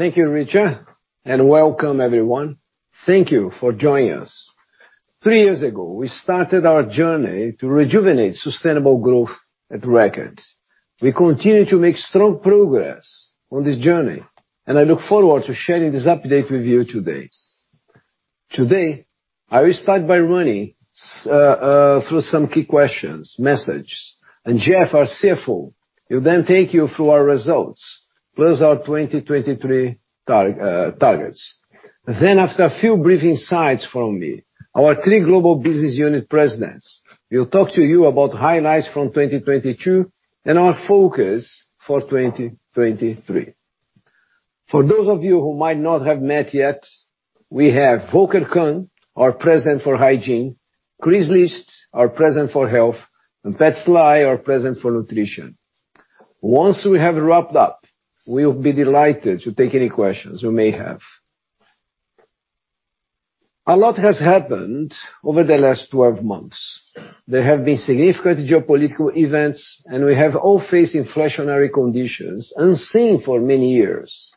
Thank you, Richard, and welcome everyone. Thank you for joining us. Three years ago, we started our journey to rejuvenate sustainable growth at Reckitt. We continue to make strong progress on this journey, and I look forward to sharing this update with you today. Today, I will start by running through some key questions, messages, and Jeff, our CFO, will then take you through our results, plus our 2023 targets. After a few briefing slides from me, our three global business unit Presidents will talk to you about highlights from 2022, and our focus for 2023. For those of you who might not have met yet, we have Volker Kuhn, our President for Hygiene, Kris Licht, our President for Health, and Pat Sly, our President for Nutrition. Once we have wrapped up, we'll be delighted to take any questions you may have. A lot has happened over the last 12 months. There have been significant geopolitical events, and we have all faced inflationary conditions unseen for many years.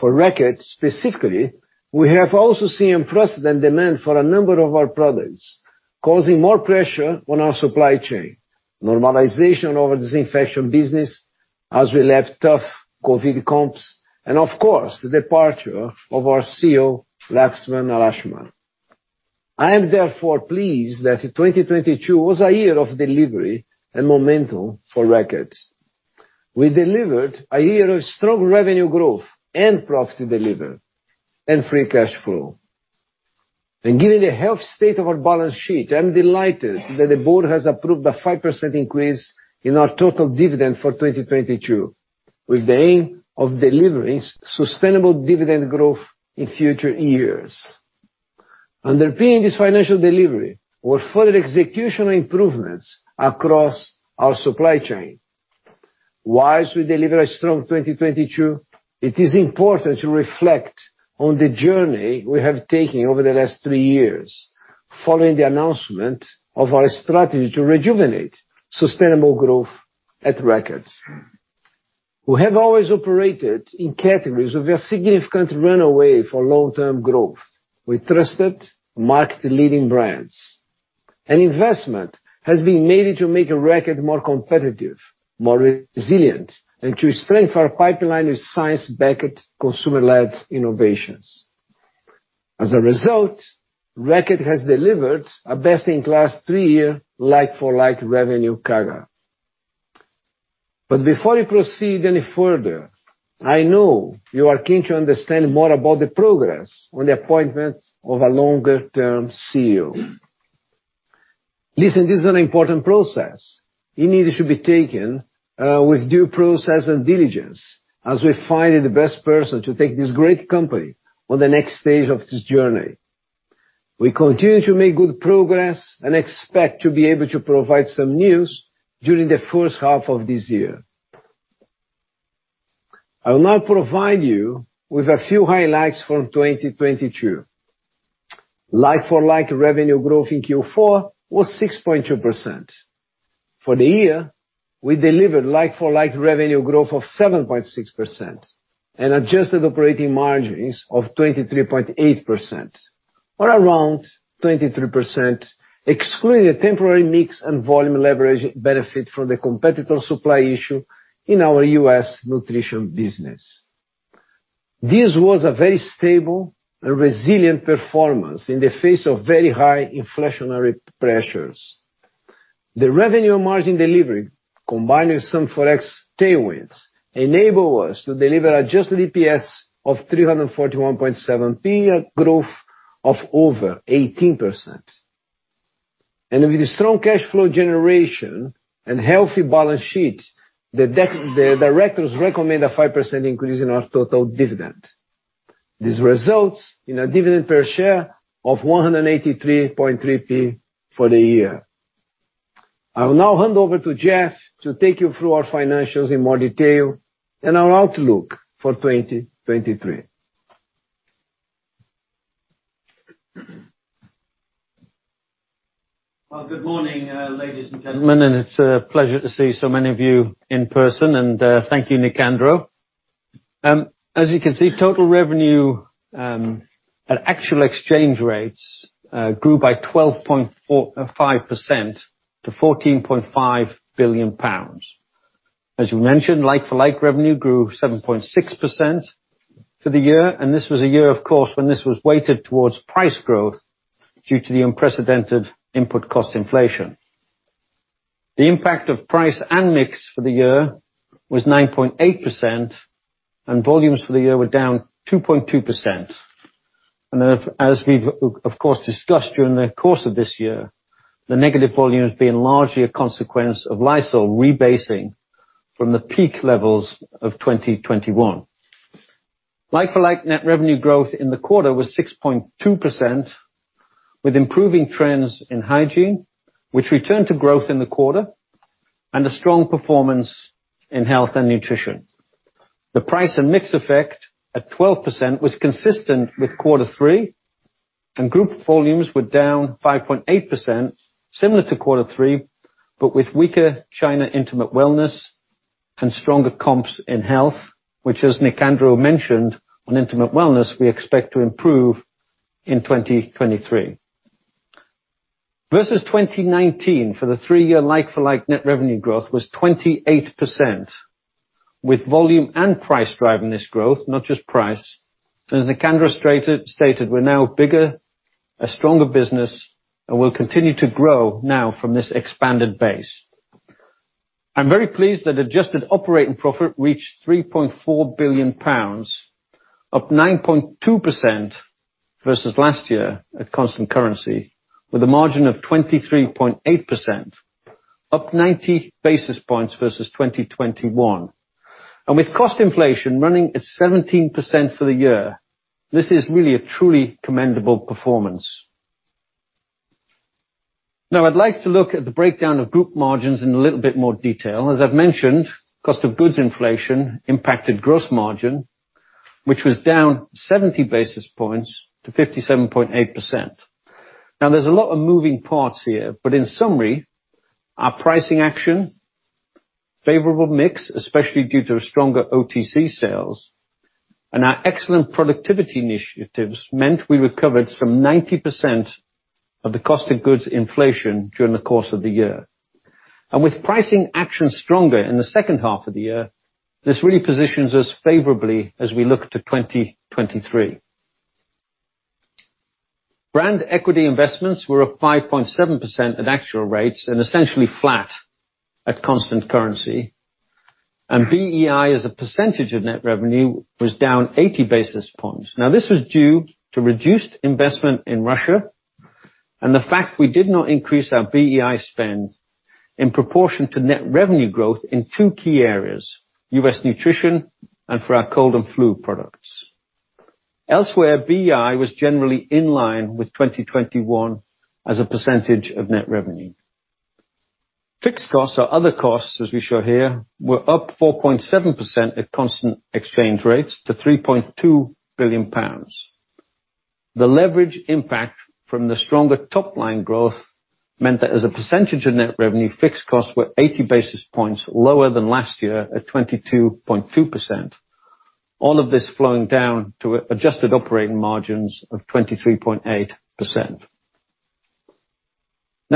For Reckitt, specifically, we have also seen unprecedented demand for a number of our products, causing more pressure on our supply chain, normalization of our disinfection business as we left tough COVID comps, and of course, the departure of our CEO, Laxman Narasimhan. I am therefore pleased that 2022 was a year of delivery and momentum for Reckitt. We delivered a year of strong revenue growth and profit delivery and free cash flow. Given the health state of our balance sheet, I'm delighted that the board has approved a 5% increase in our total dividend for 2022, with the aim of delivering sustainable dividend growth in future years. Underpinning this financial delivery were further execution improvements across our supply chain. Whilst we deliver a strong 2022, it is important to reflect on the journey we have taken over the last three years following the announcement of our strategy to rejuvenate sustainable growth at Reckitt. We have always operated in categories with a significant runway for long-term growth, with trusted market-leading brands. An investment has been made to make Reckitt more competitive, more resilient, and to strengthen our pipeline of science-backed, consumer-led innovations. As a result, Reckitt has delivered a best-in-class 3-year like-for-like revenue CAGR. Before we proceed any further, I know you are keen to understand more about the progress on the appointment of a longer-term CEO. Listen, this is an important process. It needs to be taken with due process and diligence as we find the best person to take this great company on the next stage of this journey. We continue to make good progress, and expect to be able to provide some news during the first half of this year. I will now provide you with a few highlights from 2022. Like-for-like revenue growth in Q4 was 6.2%. For the year, we delivered like-for-like revenue growth of 7.6% and adjusted operating margins of 23.8%, or around 23%, excluding a temporary mix and volume leverage benefit from the competitor supply issue in our U.S. nutrition business. This was a very stable and resilient performance in the face of very high inflationary pressures. The revenue margin delivery, combined with some forex tailwinds, enable us to deliver adjusted EPS of 3.417, a growth of over 18%. With the strong cash flow generation and healthy balance sheet, the directors recommend a 5% increase in our total dividend. This results in a dividend per share of 1.833 for the year. I will now hand over to Jeff to take you through our financials in more detail and our outlook for 2023. Well, good morning, ladies and gentlemen, it's a pleasure to see so many of you in person, thank you, Nicandro. As you can see, total revenue, at actual exchange rates, grew by 12.45% to 14.5 billion pounds. As you mentioned, like-for-like revenue grew 7.6% for the year, this was a year, of course, when this was weighted towards price growth due to the unprecedented input cost inflation. The impact of price and mix for the year was 9.8%, volumes for the year were down 2.2%. As we've of course, discussed during the course of this year, the negative volume has been largely a consequence of Lysol rebasing from the peak levels of 2021. Like-for-like net revenue growth in the quarter was 6.2%, with improving trends in hygiene, which returned to growth in the quarter, and a strong performance in health and nutrition. The price and mix effect at 12% was consistent with quarter three. Group volumes were down 5.8%, similar to quarter three, but with weaker China Intimate Wellness and stronger comps in health, which as Nicandro mentioned, on Intimate Wellness, we expect to improve in 2023. Versus 2019 for the 3-year like-for-like net revenue growth was 28%, with volume and price driving this growth, not just price. As Nicandro stated, we're now bigger, a stronger business, and will continue to grow now from this expanded base. I'm very pleased that adjusted operating profit reached 3.4 billion pounds, up 9.2% versus last year at constant currency with a margin of 23.8%, up 90 basis points versus 2021. With cost inflation running at 17% for the year, this is really a truly commendable performance. Now I'd like to look at the breakdown of group margins in a little bit more detail. As I've mentioned, cost of goods inflation impacted gross margin, which was down 70 basis points to 57.8%. Now there's a lot of moving parts here, but in summary, our pricing action, favorable mix, especially due to stronger OTC sales, and our excellent productivity initiatives meant we recovered some 90% of the cost of goods inflation during the course of the year. With pricing actions stronger in the second half of the year, this really positions us favorably as we look to 2023. Brand equity investments were up 5.7% at actual rates and essentially flat at constant currency. BEI, as a percentage of net revenue, was down 80 basis points. This was due to reduced investment in Russia and the fact we did not increase our BEI spend in proportion to net revenue growth in 2 key areas, U.S. nutrition and for our cold and flu products. Elsewhere, BEI was generally in line with 2021 as a percentage of net revenue. Fixed costs or other costs, as we show here, were up 4.7% at constant exchange rates to 3.2 billion pounds. The leverage impact from the stronger top-line growth meant that as a percentage of net revenue, fixed costs were 80 basis points lower than last year at 22.2%. All of this flowing down to adjusted operating margins of 23.8%.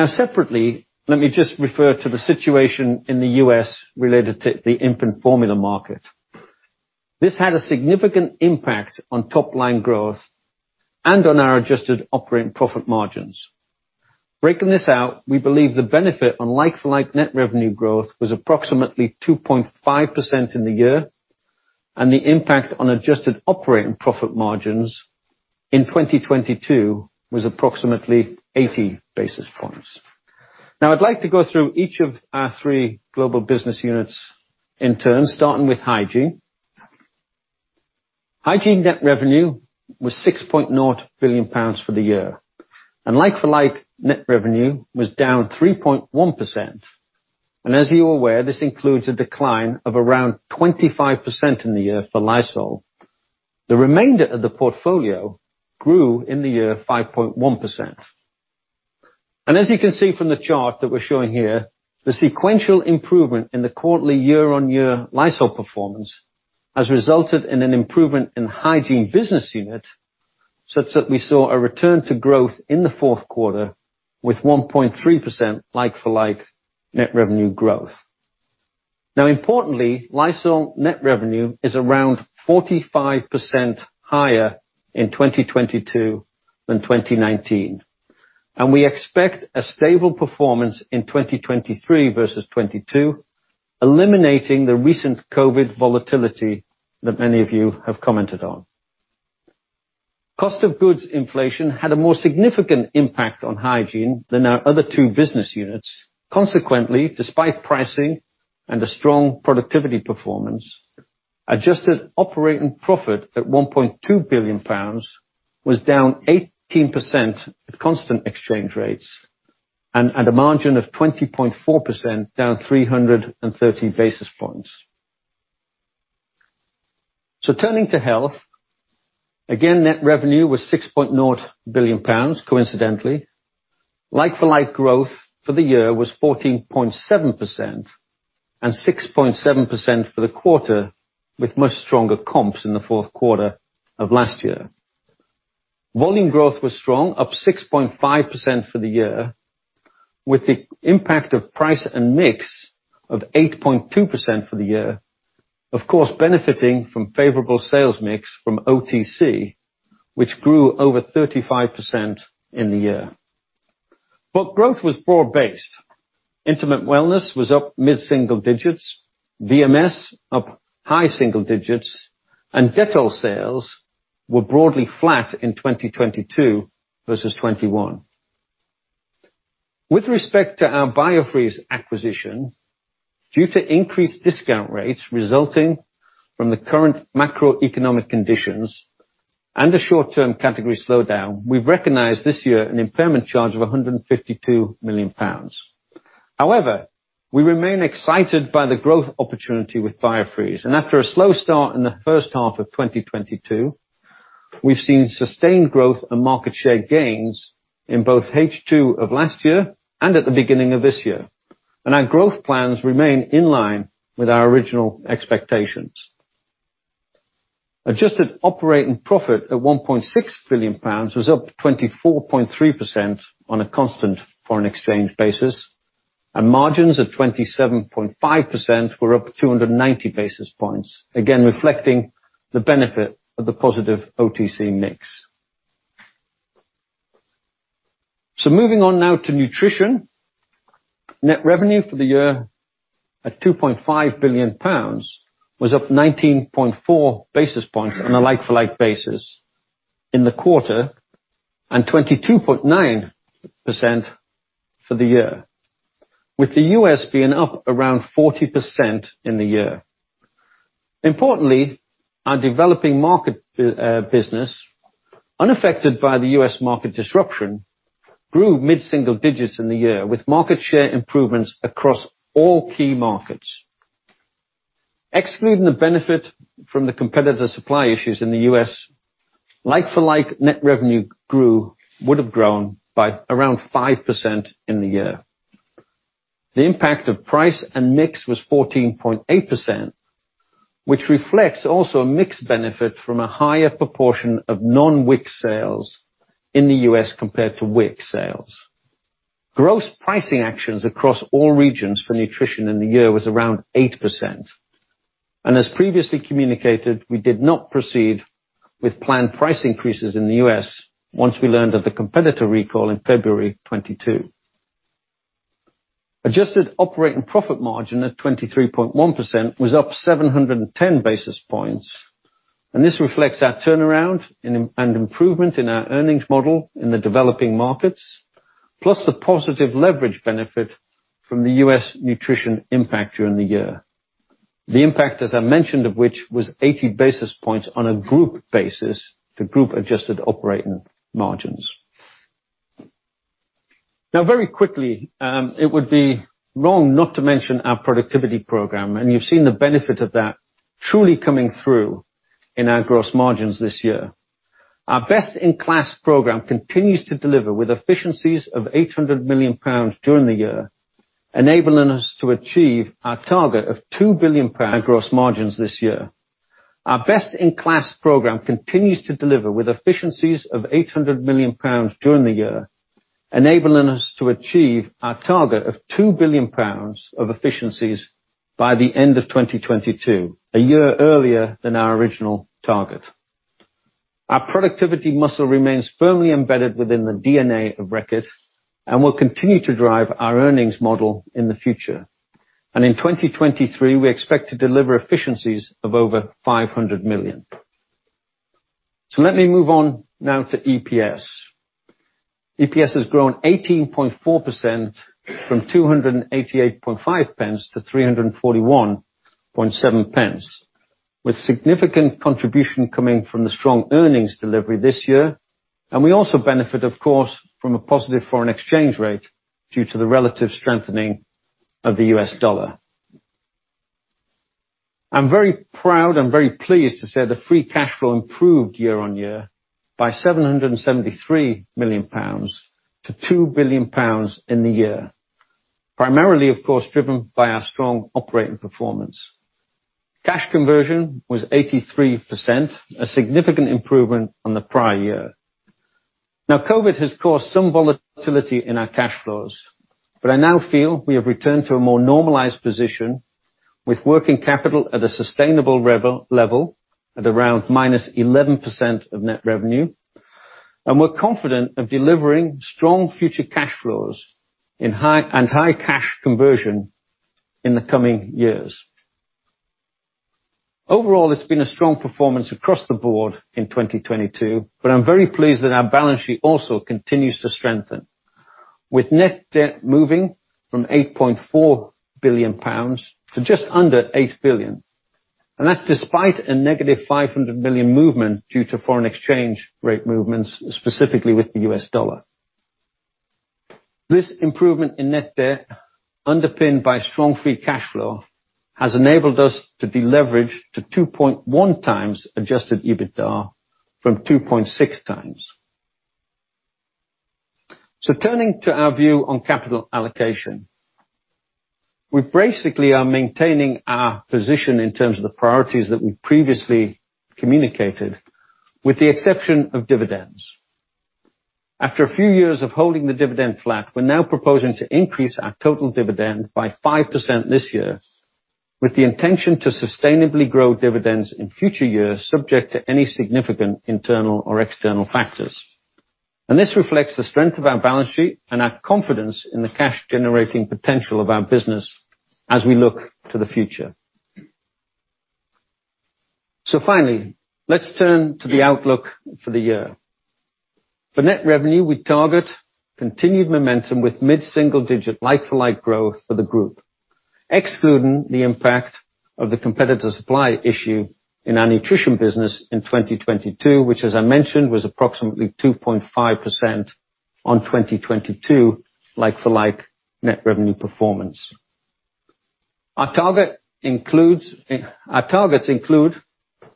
Separately, let me just refer to the situation in the U.S. related to the infant formula market. This had a significant impact on top-line growth and on our adjusted operating profit margins. Breaking this out, we believe the benefit on like-for-like net revenue growth was approximately 2.5% in the year, and the impact on adjusted operating profit margins in 2022 was approximately 80 basis points. I'd like to go through each of our 3 global business units in turn, starting with hygiene. Hygiene net revenue was 6.0 billion pounds for the year. Like-for-like net revenue was down 3.1%. As you're aware, this includes a decline of around 25% in the year for Lysol. The remainder of the portfolio grew in the year 5.1%. As you can see from the chart that we're showing here, the sequential improvement in the quarterly year-on-year Lysol performance has resulted in an improvement in Hygiene business unit, such that we saw a return to growth in the fourth quarter with 1.3% like-for-like net revenue growth. Importantly, Lysol net revenue is around 45% higher in 2022 than 2019, and we expect a stable performance in 2023 versus 2022, eliminating the recent COVID volatility that many of you have commented on. Cost of goods inflation had a more significant impact on Hygiene than our other two business units. Despite pricing and a strong productivity performance, adjusted operating profit at 1.2 billion pounds was down 18% at constant exchange rates and at a margin of 20.4% down 330 basis points. Turning to health, again, net revenue was 6.0 billion pounds, coincidentally. Like-for-like growth for the year was 14.7% and 6.7% for the quarter, with much stronger comps in the fourth quarter of last year. Volume growth was strong, up 6.5% for the year, with the impact of price and mix of 8.2% for the year, of course, benefiting from favorable sales mix from OTC, which grew over 35% in the year. Growth was broad-based. Intimate Wellness was up mid-single digits, VMS up high single digits, and Dettol sales were broadly flat in 2022 versus 2021. With respect to our Biofreeze acquisition, due to increased discount rates resulting from the current macroeconomic conditions and a short-term category slowdown, we've recognized this year an impairment charge of 152 million pounds. However, we remain excited by the growth opportunity with Biofreeze. After a slow start in the first half of 2022, we've seen sustained growth and market share gains in both H2 of last year, and at the beginning of this year. Our growth plans remain in line with our original expectations. Adjusted operating profit at 1.6 billion pounds was up 24.3% on a constant foreign exchange basis. Margins of 27.5% were up 290 basis points, again, reflecting the benefit of the positive OTC mix. Moving on now to Nutrition. Net revenue for the year at 2.5 billion pounds was up 19.4 basis points on a like-for-like basis in the quarter, 22.9% for the year, with the U.S. being up around 40% in the year. Importantly, our developing market business, unaffected by the U.S. market disruption, grew mid-single digits in the year, with market share improvements across all key markets. Excluding the benefit from the competitor supply issues in the U.S., like-for-like net revenue would have grown by around 5% in the year. The impact of price and mix was 14.8%, which reflects also a mix benefit from a higher proportion of non-WIC sales in the U.S. compared to WIC sales. Gross pricing actions across all regions for nutrition in the year was around 8%. As previously communicated, we did not proceed with planned price increases in the U.S. once we learned of the competitor recall in February 2022. Adjusted operating profit margin at 23.1% was up 710 basis points, and this reflects our turnaround and improvement in our earnings model in the developing markets, plus the positive leverage benefit from the U.S. Nutrition impact during the year. The impact, as I mentioned, of which was 80 basis points on a group basis to group-adjusted operating margins. Now very quickly, it would be wrong not to mention our productivity program, and you've seen the benefit of that truly coming through in our gross margins this year. Our Best in Class program continues to deliver, with efficiencies of GBP 800 million during the year, enabling us to achieve our target of GBP 2 billion gross margins this year. Our Best in Class program continues to deliver, with efficiencies of 800 million pounds during the year, enabling us to achieve our target of 2 billion pounds of efficiencies by the end of 2022, a year earlier than our original target. Our productivity muscle remains firmly embedded within the DNA of Reckitt and will continue to drive our earnings model in the future. In 2023, we expect to deliver efficiencies of over 500 million. Let me move on now to EPS. EPS has grown 18.4% from 288.5 to 341.7, with significant contribution coming from the strong earnings delivery this year. We also benefit, of course, from a positive foreign exchange rate due to the relative strengthening of the U.S. dollar. I'm very proud and very pleased to say the free cash flow improved year-over-year by 773 million pounds to 2 billion pounds in the year, primarily, of course, driven by our strong operating performance. Cash conversion was 83%, a significant improvement on the prior year. Now, COVID has caused some volatility in our cash flows, but I now feel we have returned to a more normalized position with working capital at a sustainable level, at around -11% of net revenue. We're confident of delivering strong future cash flows in high cash conversion in the coming years. Overall, it's been a strong performance across the board in 2022, but I'm very pleased that our balance sheet also continues to strengthen, with net debt moving from 8.4 billion pounds to just under 8 billion. That's despite a negative 500 billion movement due to foreign exchange rate movements, specifically with the US dollar. This improvement in net debt, underpinned by strong free cash flow, has enabled us to deleverage to 2.1 times adjusted EBITDA from 2.6 times. Turning to our view on capital allocation. We basically are maintaining our position in terms of the priorities that we previously communicated, with the exception of dividends. After a few years of holding the dividend flat, we're now proposing to increase our total dividend by 5% this year, with the intention to sustainably grow dividends in future years, subject to any significant internal or external factors. This reflects the strength of our balance sheet and our confidence in the cash-generating potential of our business as we look to the future. Finally, let's turn to the outlook for the year. For net revenue, we target continued momentum with mid-single digit like-for-like growth for the group. Excluding the impact of the competitor supply issue in our nutrition business in 2022, which as I mentioned, was approximately 2.5% on 2022 like-for-like net revenue performance. Our targets include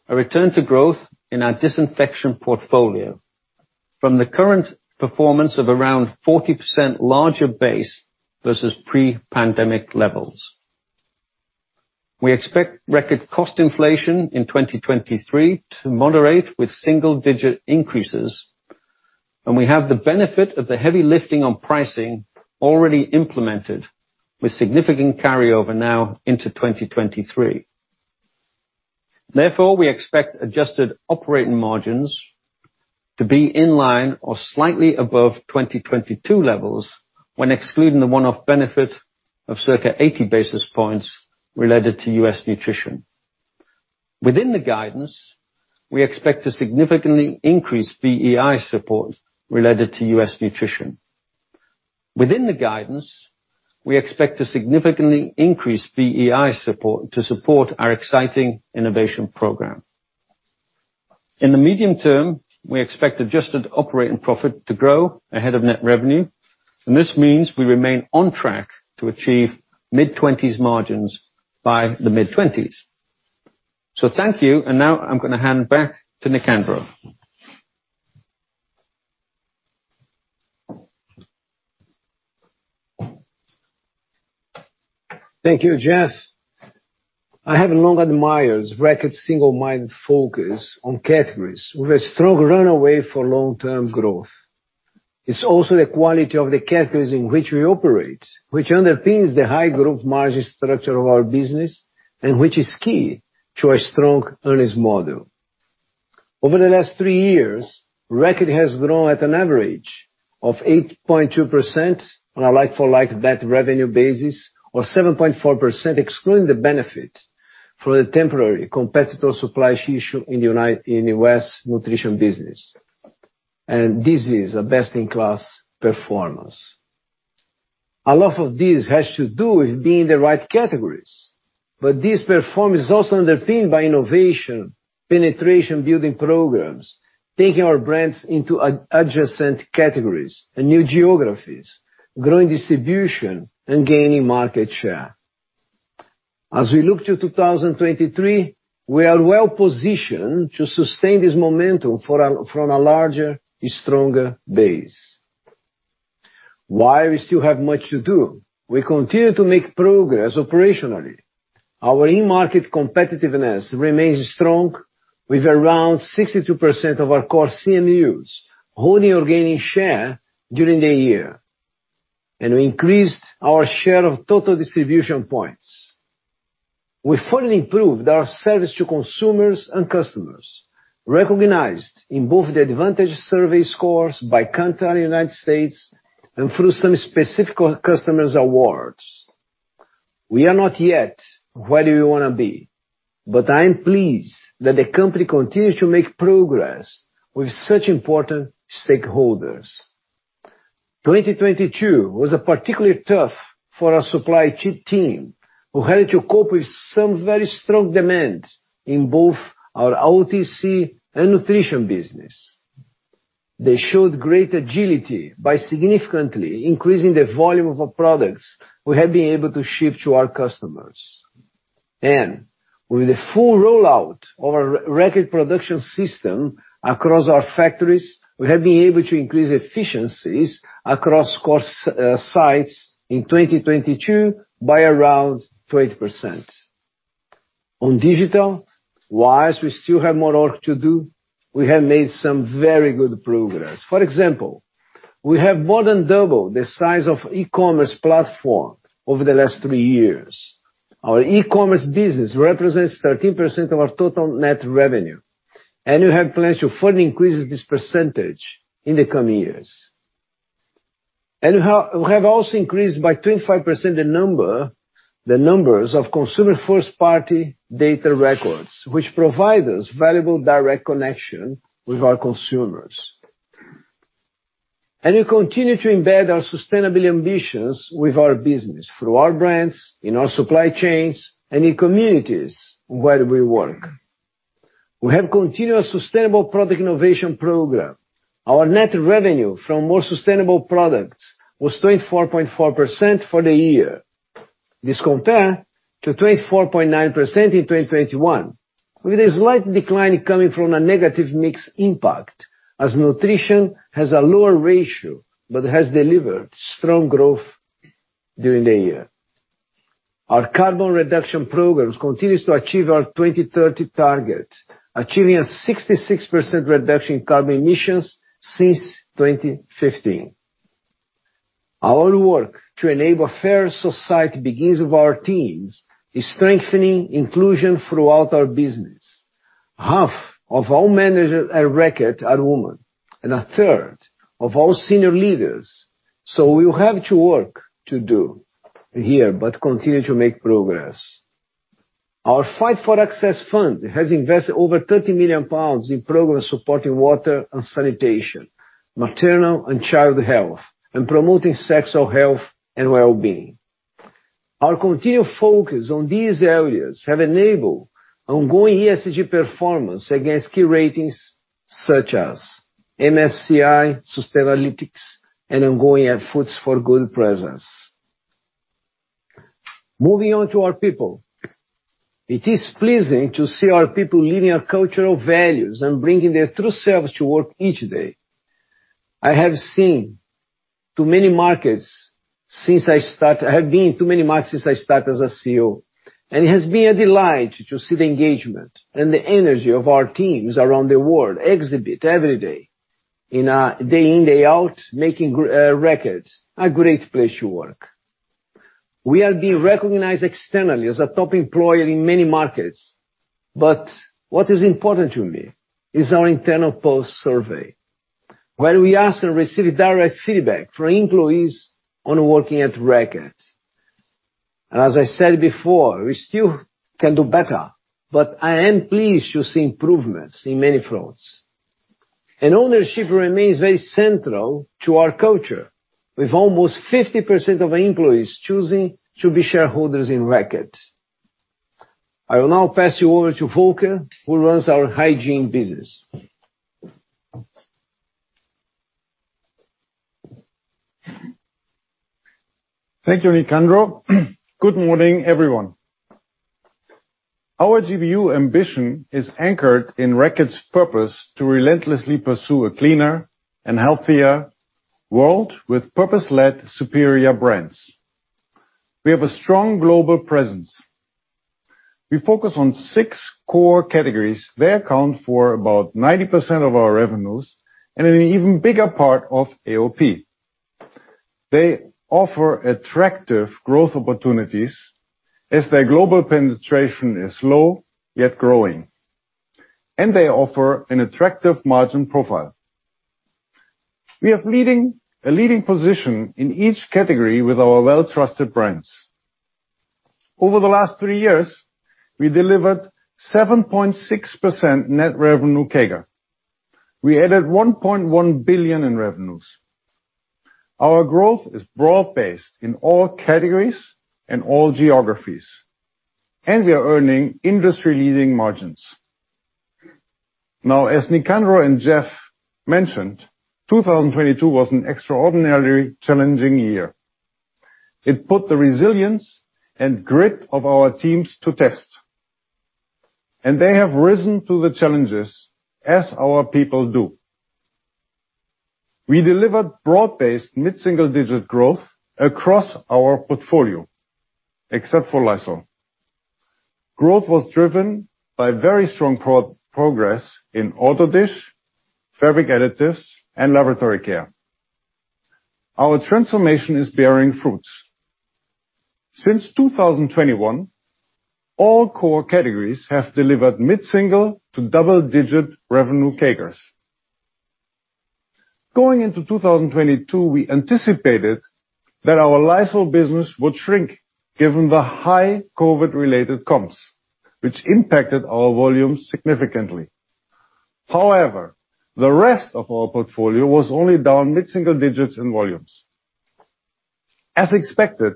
a return to growth in our disinfection portfolio from the current performance of around 40% larger base versus pre-pandemic levels. We expect Reckitt cost inflation in 2023 to moderate with single-digit increases. We have the benefit of the heavy lifting on pricing already implemented with significant carryover now into 2023. Therefore, we expect adjusted operating margins to be in line or slightly above 2022 levels when excluding the one-off benefit of circa 80 basis points related to U.S. nutrition. Within the guidance, we expect to significantly increase BEI support related to U.S. nutrition. Within the guidance, we expect to significantly increase BEI support to support our exciting innovation program. In the medium term, we expect adjusted operating profit to grow ahead of net revenue. This means we remain on track to achieve mid-twenties margins by the mid-twenties. Thank you. Now I'm gonna hand back to Nicandro. Thank you, Jeff. I have long admired Reckitt's single-minded focus on categories with a strong runway for long-term growth. It's also the quality of the categories in which we operate, which underpins the high group margin structure of our business and which is key to our strong earnings model. Over the last three years, Reckitt has grown at an average of 8.2% on a like-for-like net revenue basis, or 7.4% excluding the benefit from the temporary competitor supply issue in U.S. Nutrition business. This is a best-in-class performance. A lot of this has to do with being in the right categories, this performance is also underpinned by innovation, penetration building programs, taking our brands into ad-adjacent categories and new geographies, growing distribution, and gaining market share. As we look to 2023, we are well-positioned to sustain this momentum from a larger, stronger base. While we still have much to do, we continue to make progress operationally. Our in-market competitiveness remains strong with around 62% of our core CMUs holding or gaining share during the year. We increased our share of total distribution points. We further improved our service to consumers and customers, recognized in both the Advantage Survey scores by country in United States and through some specific customers awards. We are not yet where we wanna be, I am pleased that the company continues to make progress with such important stakeholders. 2022 was particularly tough for our supply chain team, who had to cope with some very strong demand in both our OTC and Nutrition business. They showed great agility by significantly increasing the volume of our products we have been able to ship to our customers. With the full rollout of our Reckitt Production System across our factories, we have been able to increase efficiencies across core sites in 2022 by around 20%. On digital, whilst we still have more work to do, we have made some very good progress. For example, we have more than doubled the size of e-commerce platform over the last 3 years. Our e-commerce business represents 13% of our total net revenue, and we have plans to further increase this percentage in the coming years. We have also increased by 25% the numbers of consumer first-party data records, which provide us valuable direct connection with our consumers. We continue to embed our sustainability ambitions with our business through our brands, in our supply chains, and in communities where we work. We have continued a sustainable product innovation program. Our net revenue from more sustainable products was 24.4% for the year. This compare to 24.9% in 2021, with a slight decline coming from a negative mix impact, as nutrition has a lower ratio, but has delivered strong growth during the year. Our carbon reduction programs continues to achieve our 2030 target, achieving a 66% reduction in carbon emissions since 2015. Our work to enable fair society begins with our teams in strengthening inclusion throughout our business. Half of all managers at Reckitt are women, and a third of all senior leaders. So we have to work to do here, but continue to make progress. Our Fight for Access Fund has invested over 30 million pounds in programs supporting water and sanitation, maternal and child health, and promoting sexual health and well-being. Our continued focus on these areas have enabled ongoing ESG performance against key ratings such as MSCI, Sustainalytics, and ongoing Food for Good process. Moving on to our people. It is pleasing to see our people living our cultural values and bringing their true selves to work each day. I have been to many markets since I start as a CEO, and it has been a delight to see the engagement and the energy of our teams around the world exhibit every day in a day in, day out, making Reckitt a great place to work. We are being recognized externally as a top employer in many markets, but what is important to me is our internal pulse survey, where we ask and receive direct feedback from employees on working at Reckitt. As I said before, we still can do better, but I am pleased to see improvements in many fronts. Ownership remains very central to our culture, with almost 50% of employees choosing to be shareholders in Reckitt. I will now pass you over to Volker, who runs our hygiene business. Thank you, Nicandro. Good morning, everyone. Our GBU ambition is anchored in Reckitt's purpose to relentlessly pursue a cleaner and healthier world with purpose-led superior brands. We have a strong global presence. We focus on six core categories. They account for about 90% of our revenues, and an even bigger part of AOP. They offer attractive growth opportunities as their global penetration is low, yet growing, and they offer an attractive margin profile. We have a leading position in each category with our well-trusted brands. Over the last three years, we delivered 7.6% net revenue CAGR. We added 1.1 billion in revenues. Our growth is broad-based in all categories and all geographies, and we are earning industry-leading margins. As Nicandro and Jeff mentioned, 2022 was an extraordinarily challenging year. It put the resilience and grit of our teams to test, and they have risen to the challenges as our people do. We delivered broad-based mid-single-digit growth across our portfolio, except for Lysol. Growth was driven by very strong pro-progress in Auto Dish, fabric additives, and Lavatory Care. Our transformation is bearing fruits. Since 2021, all core categories have delivered mid-single to double-digit revenue CAGRs. Going into 2022, we anticipated that our Lysol business would shrink given the high COVID-related comps, which impacted our volumes significantly. However, the rest of our portfolio was only down mid-single digits in volumes. As expected,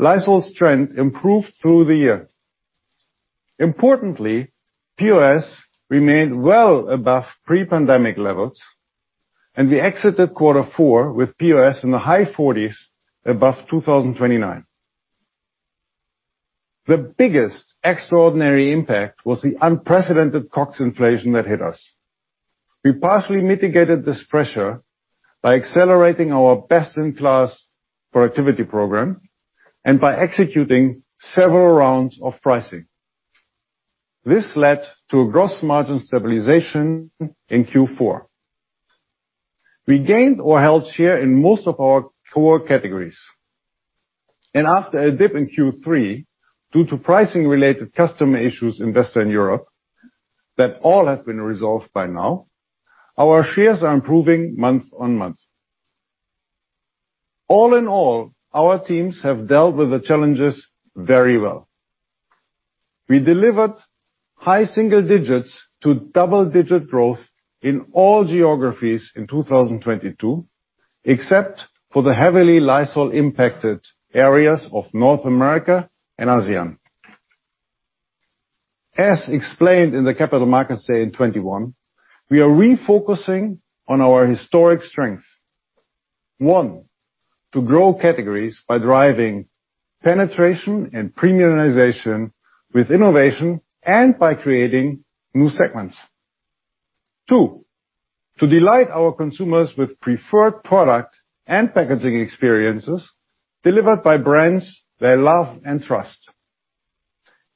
Lysol's trend improved through the year. Importantly, POS remained well above pre-pandemic levels, and we exited Q4 with POS in the high 40s above 2029. The biggest extraordinary impact was the unprecedented COGS inflation that hit us. We partially mitigated this pressure by accelerating our best-in-class productivity program and by executing several rounds of pricing. This led to a gross margin stabilization in Q4. We gained or held share in most of our core categories. After a dip in Q3 due to pricing-related customer issues in Western Europe that all have been resolved by now, our shares are improving month-on-month. All in all, our teams have dealt with the challenges very well. We delivered high single digits to double-digit growth in all geographies in 2022, except for the heavily Lysol-impacted areas of North America and ASEAN. As explained in the Capital Markets Day in 2021, we are refocusing on our historic strength. One, to grow categories by driving penetration and premiumization with innovation and by creating new segments. Two, to delight our consumers with preferred product and packaging experiences delivered by brands they love and trust.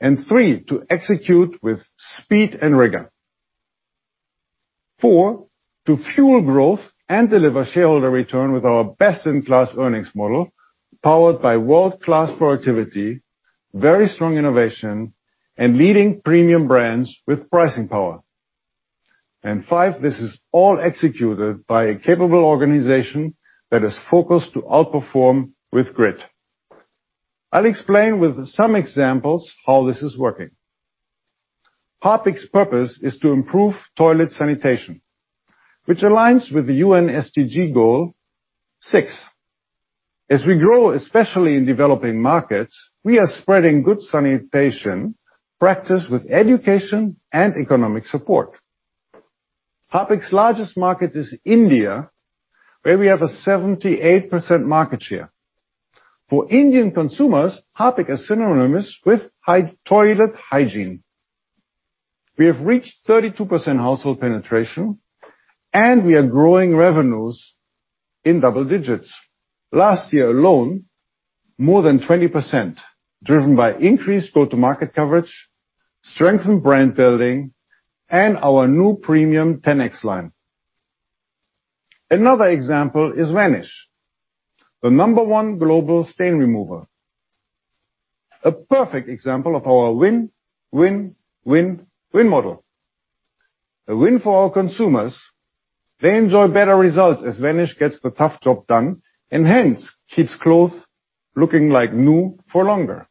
And three, to execute with speed and rigor. Four, to fuel growth and deliver shareholder return with our Best in Class earnings model powered by world-class productivity, very strong innovation, and leading premium brands with pricing power. Five, this is all executed by a capable organization that is focused to outperform with grit. I'll explain with some examples how this is working. Harpic's purpose is to improve toilet sanitation, which aligns with the UN SDG Goal 6. As we grow, especially in developing markets, we are spreading good sanitation practice with education and economic support. Harpic's largest market is India, where we have a 78% market share. For Indian consumers, Harpic is synonymous with toilet hygiene. We have reached 32% household penetration, and we are growing revenues in double digits. Last year alone, more than 20% driven by increased go-to-market coverage, strengthened brand building, and our new premium 10X line. Another example is Vanish, the number one global stain remover. A perfect example of our win-win-win-win model. A win for our consumers, they enjoy better results as Vanish gets the tough job done and hence keeps clothes looking like new for longer.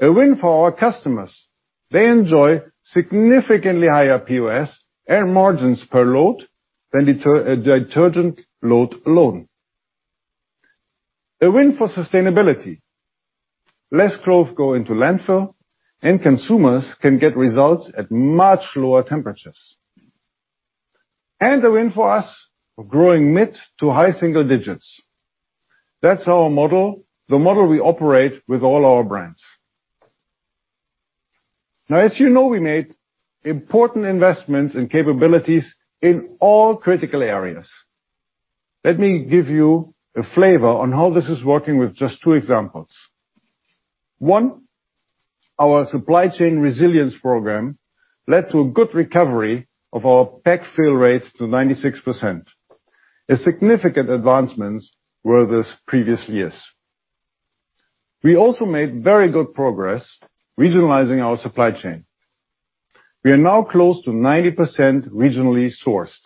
A win for our customers, they enjoy significantly higher POS and margins per load than a detergent load alone. A win for sustainability. Less clothes go into landfill, and consumers can get results at much lower temperatures. A win for us, we're growing mid to high single digits. That's our model, the model we operate with all our brands. Now, as you know, we made important investments and capabilities in all critical areas. Let me give you a flavor on how this is working with just two examples. One, our supply chain resilience program led to a good recovery of our pack fill rate to 96%. A significant advancements over this previous years. We also made very good progress regionalizing our supply chain. We are now close to 90% regionally sourced.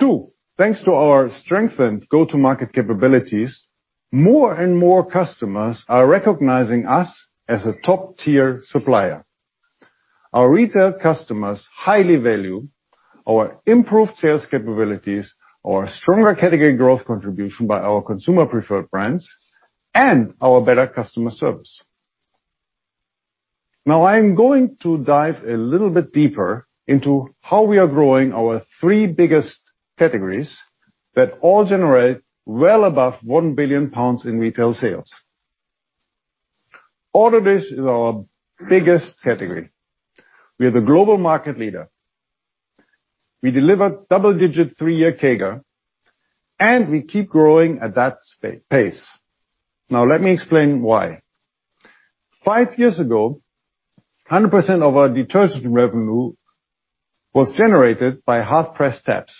Two, thanks to our strengthened go-to-market capabilities, more and more customers are recognizing us as a top-tier supplier. Our retail customers highly value our improved sales capabilities, our stronger category growth contribution by our consumer preferred brands, and our better customer service. I am going to dive a little bit deeper into how we are growing our three biggest categories that all generate well above 1 billion pounds in retail sales. Auto Dish is our biggest category. We are the global market leader. We deliver double-digit 3-year CAGR, and we keep growing at that pace. Let me explain why. Five years ago, 100% of our detergent revenue was generated by hard press tabs.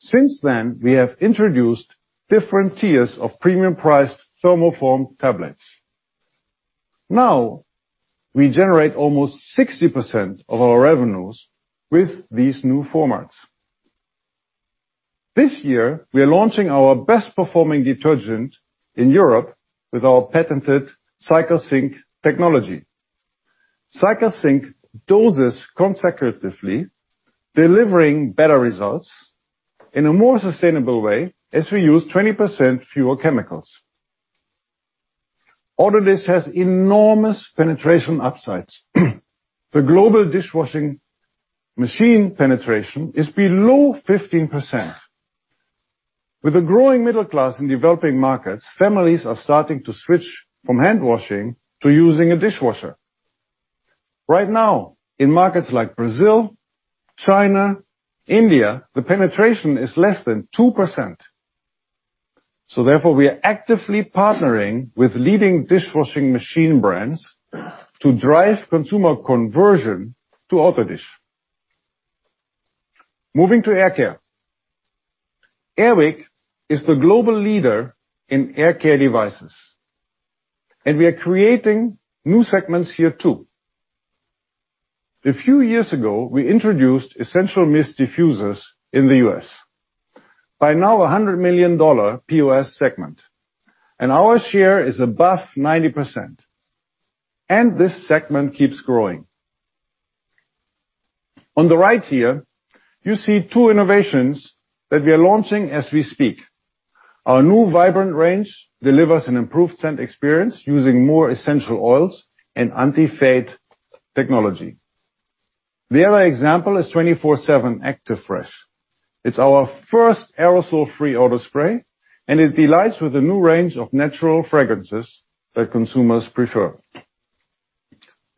Since then, we have introduced different tiers of premium priced thermoform tablets. We generate almost 60% of our revenues with these new formats. This year, we are launching our best-performing detergent in Europe with our patented CycleSync technology. CycleSync doses consecutively, delivering better results in a more sustainable way as we use 20% fewer chemicals. Auto Dish has enormous penetration upsides. The global dishwashing machine penetration is below 15%. With a growing middle class in developing markets, families are starting to switch from hand washing to using a dishwasher. In markets like Brazil, China, India, the penetration is less than 2%. Therefore, we are actively partnering with leading dishwashing machine brands to drive consumer conversion to Auto Dish. Moving to air care. Air Wick is the global leader in air care devices, we are creating new segments here too. A few years ago, we introduced Essential Mist diffusers in the U.S. By now, a GBP 100 million POS segment, our share is above 90%, this segment keeps growing. On the right here, you see two innovations that we are launching as we speak. Our new vibrant range delivers an improved scent experience using more essential oils and anti-fade technology. The other example is 24/7 Active Fresh. It's our first aerosol-free auto spray, it delights with a new range of natural fragrances that consumers prefer.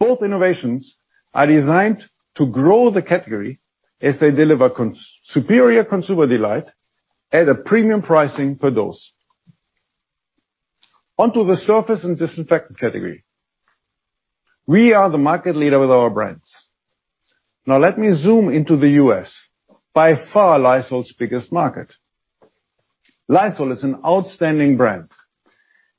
Both innovations are designed to grow the category as they deliver superior consumer delight at a premium pricing per dose. Onto the surface and disinfectant category. We are the market leader with our brands. Let me zoom into the U.S., by far Lysol's biggest market. Lysol is an outstanding brand.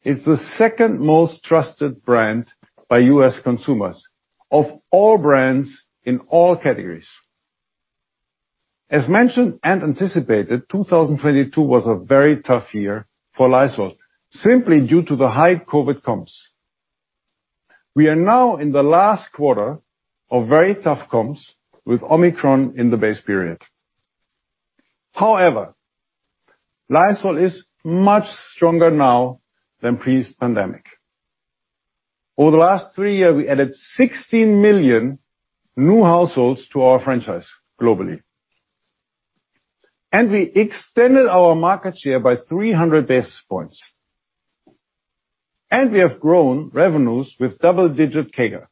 It's the second most trusted brand by U.S. consumers of all brands in all categories. As mentioned and anticipated, 2022 was a very tough year for Lysol, simply due to the high COVID comps. We are now in the last quarter of very tough comps with Omicron in the base period. Lysol is much stronger now than pre-pandemic. Over the last 3 years, we added 16 million new households to our franchise globally. We extended our market share by 300 basis points. We have grown revenues with double-digit CAGR.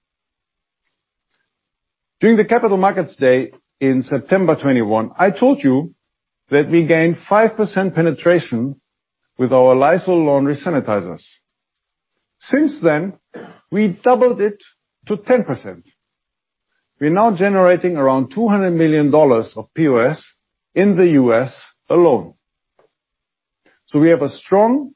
During the Capital Markets Day in September 2021, I told you that we gained 5% penetration with our Lysol laundry sanitizers. Since then, we doubled it to 10%. We're now generating around $200 million of POS in the U.S. alone. We have a strong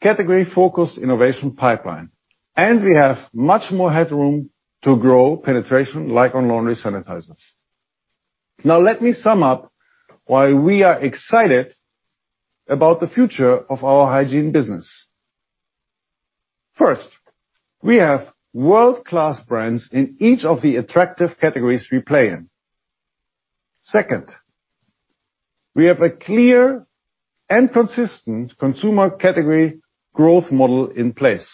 category-focused innovation pipeline, and we have much more headroom to grow penetration like on laundry sanitizers. Let me sum up why we are excited about the future of our hygiene business. First, we have world-class brands in each of the attractive categories we play in. Second, we have a clear and consistent consumer category growth model in place.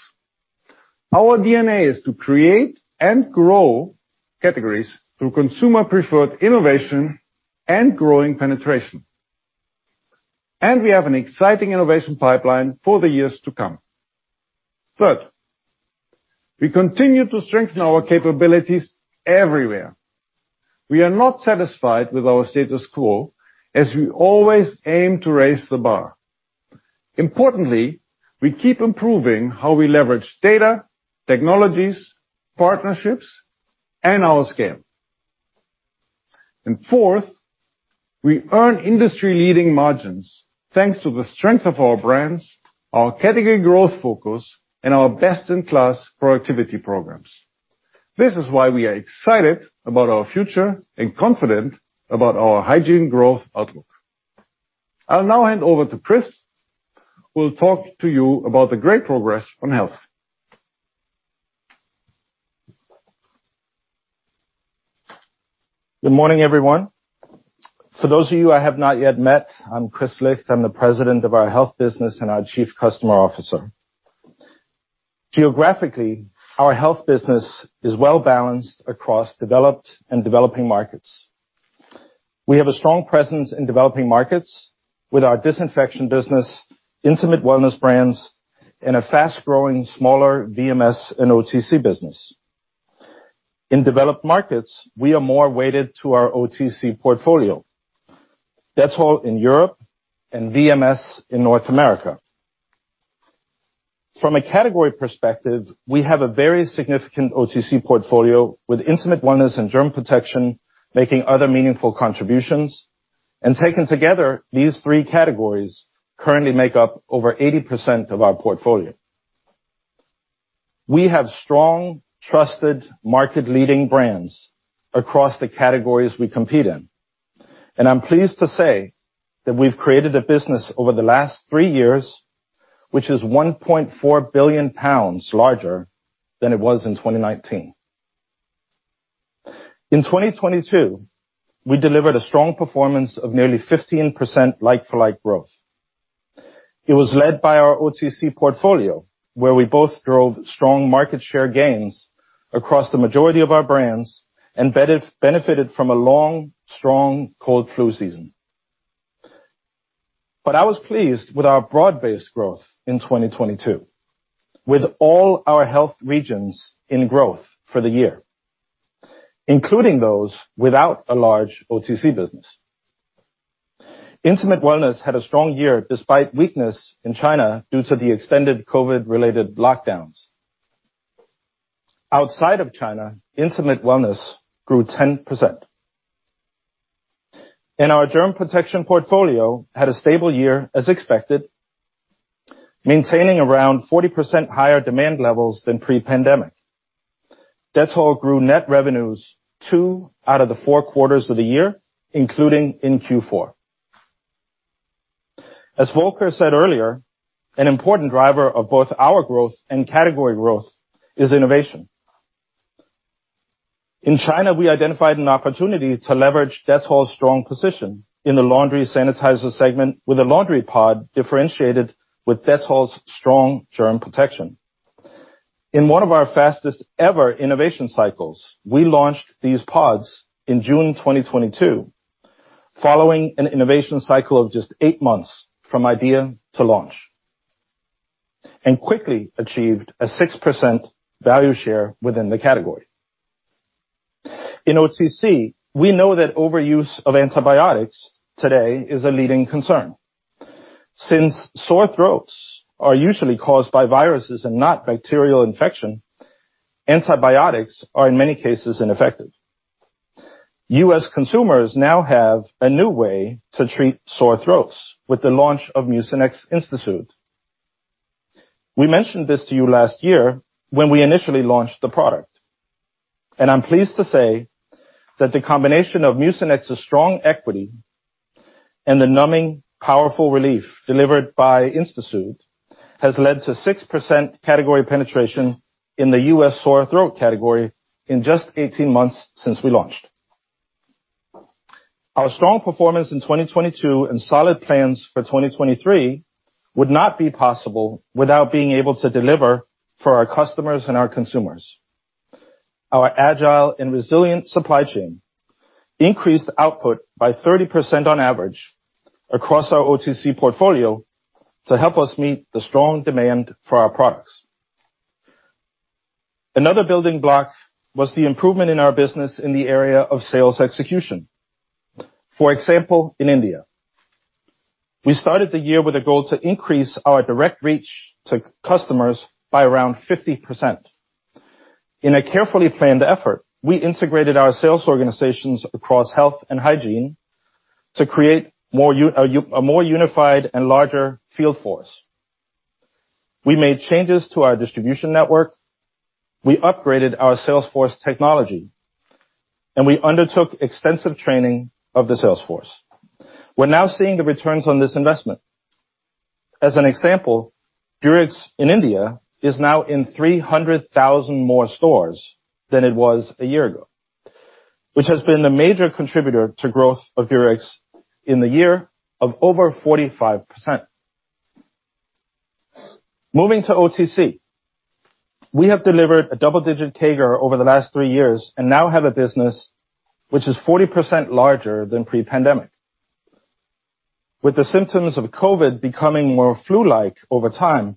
Our DNA is to create and grow categories through consumer-preferred innovation and growing penetration. We have an exciting innovation pipeline for the years to come. Third, we continue to strengthen our capabilities everywhere. We are not satisfied with our status quo, as we always aim to raise the bar. Importantly, we keep improving how we leverage data, technologies, partnerships, and our scale. Fourth, we earn industry-leading margins thanks to the strength of our brands, our category growth focus, and our best-in-class productivity programs. This is why we are excited about our future and confident about our hygiene growth outlook. I'll now hand over to Kris Licht, who will talk to you about the great progress on health. Good morning, everyone. For those of you I have not yet met, I'm Kris Licht. I'm the President of our Health business and our Chief Customer Officer. Geographically, our Health business is well-balanced across developed and developing markets. We have a strong presence in developing markets with our disinfection business, Intimate Wellness brands, and a fast-growing, smaller VMS and OTC business. In developed markets, we are more weighted to our OTC portfolio, Dettol in Europe and VMS in North America. From a category perspective, we have a very significant OTC portfolio with Intimate Wellness and germ protection, making other meaningful contributions. Taken together, these three categories currently make up over 80% of our portfolio. We have strong, trusted, market-leading brands across the categories we compete in. I'm pleased to say that we've created a business over the last three years, which is 1.4 billion pounds larger than it was in 2019. In 2022, we delivered a strong performance of nearly 15% like-for-like growth. It was led by our OTC portfolio, where we both drove strong market share gains across the majority of our brands and benefited from a long, strong cold flu season. I was pleased with our broad-based growth in 2022, with all our health regions in growth for the year, including those without a large OTC business. Intimate Wellness had a strong year despite weakness in China due to the extended COVID-related lockdowns. Outside of China, Intimate Wellness grew 10%. Our germ protection portfolio had a stable year as expected, maintaining around 40% higher demand levels than pre-pandemic. Dettol grew net revenues two out of the four quarters of the year, including in Q4. As Volker said earlier, an important driver of both our growth and category growth is innovation. In China, we identified an opportunity to leverage Dettol's strong position in the laundry sanitizer segment with a laundry pod differentiated with Dettol's strong germ protection. In one of our fastest ever innovation cycles, we launched these pods in June 2022, following an innovation cycle of just eight months from idea to launch, and quickly achieved a 6% value share within the category. In OTC, we know that overuse of antibiotics today is a leading concern. Since sore throats are usually caused by viruses and not bacterial infection, antibiotics are in many cases ineffective. U.S. consumers now have a new way to treat sore throats with the launch of Mucinex InstaSoothe. We mentioned this to you last year when we initially launched the product, and I'm pleased to say that the combination of Mucinex's strong equity and the numbing powerful relief delivered by InstaSoothe has led to 6% category penetration in the U.S. sore throat category in just 18 months since we launched. Our strong performance in 2022 and solid plans for 2023 would not be possible without being able to deliver for our customers and our consumers. Our agile and resilient supply chain increased output by 30% on average across our OTC portfolio to help us meet the strong demand for our products. Another building block was the improvement in our business in the area of sales execution. For example, in India, we started the year with a goal to increase our direct reach to customers by around 50%. In a carefully planned effort, we integrated our sales organizations across health and hygiene to create a more unified and larger field force. We made changes to our distribution network, we upgraded our sales force technology, we undertook extensive training of the sales force. We're now seeing the returns on this investment. As an example, Durex in India is now in 300,000 more stores than it was a year ago, which has been a major contributor to growth of Durex in the year of over 45%. Moving to OTC, we have delivered a double-digit CAGR over the last 3 years and now have a business which is 40% larger than pre-pandemic. With the symptoms of COVID becoming more flu-like over time,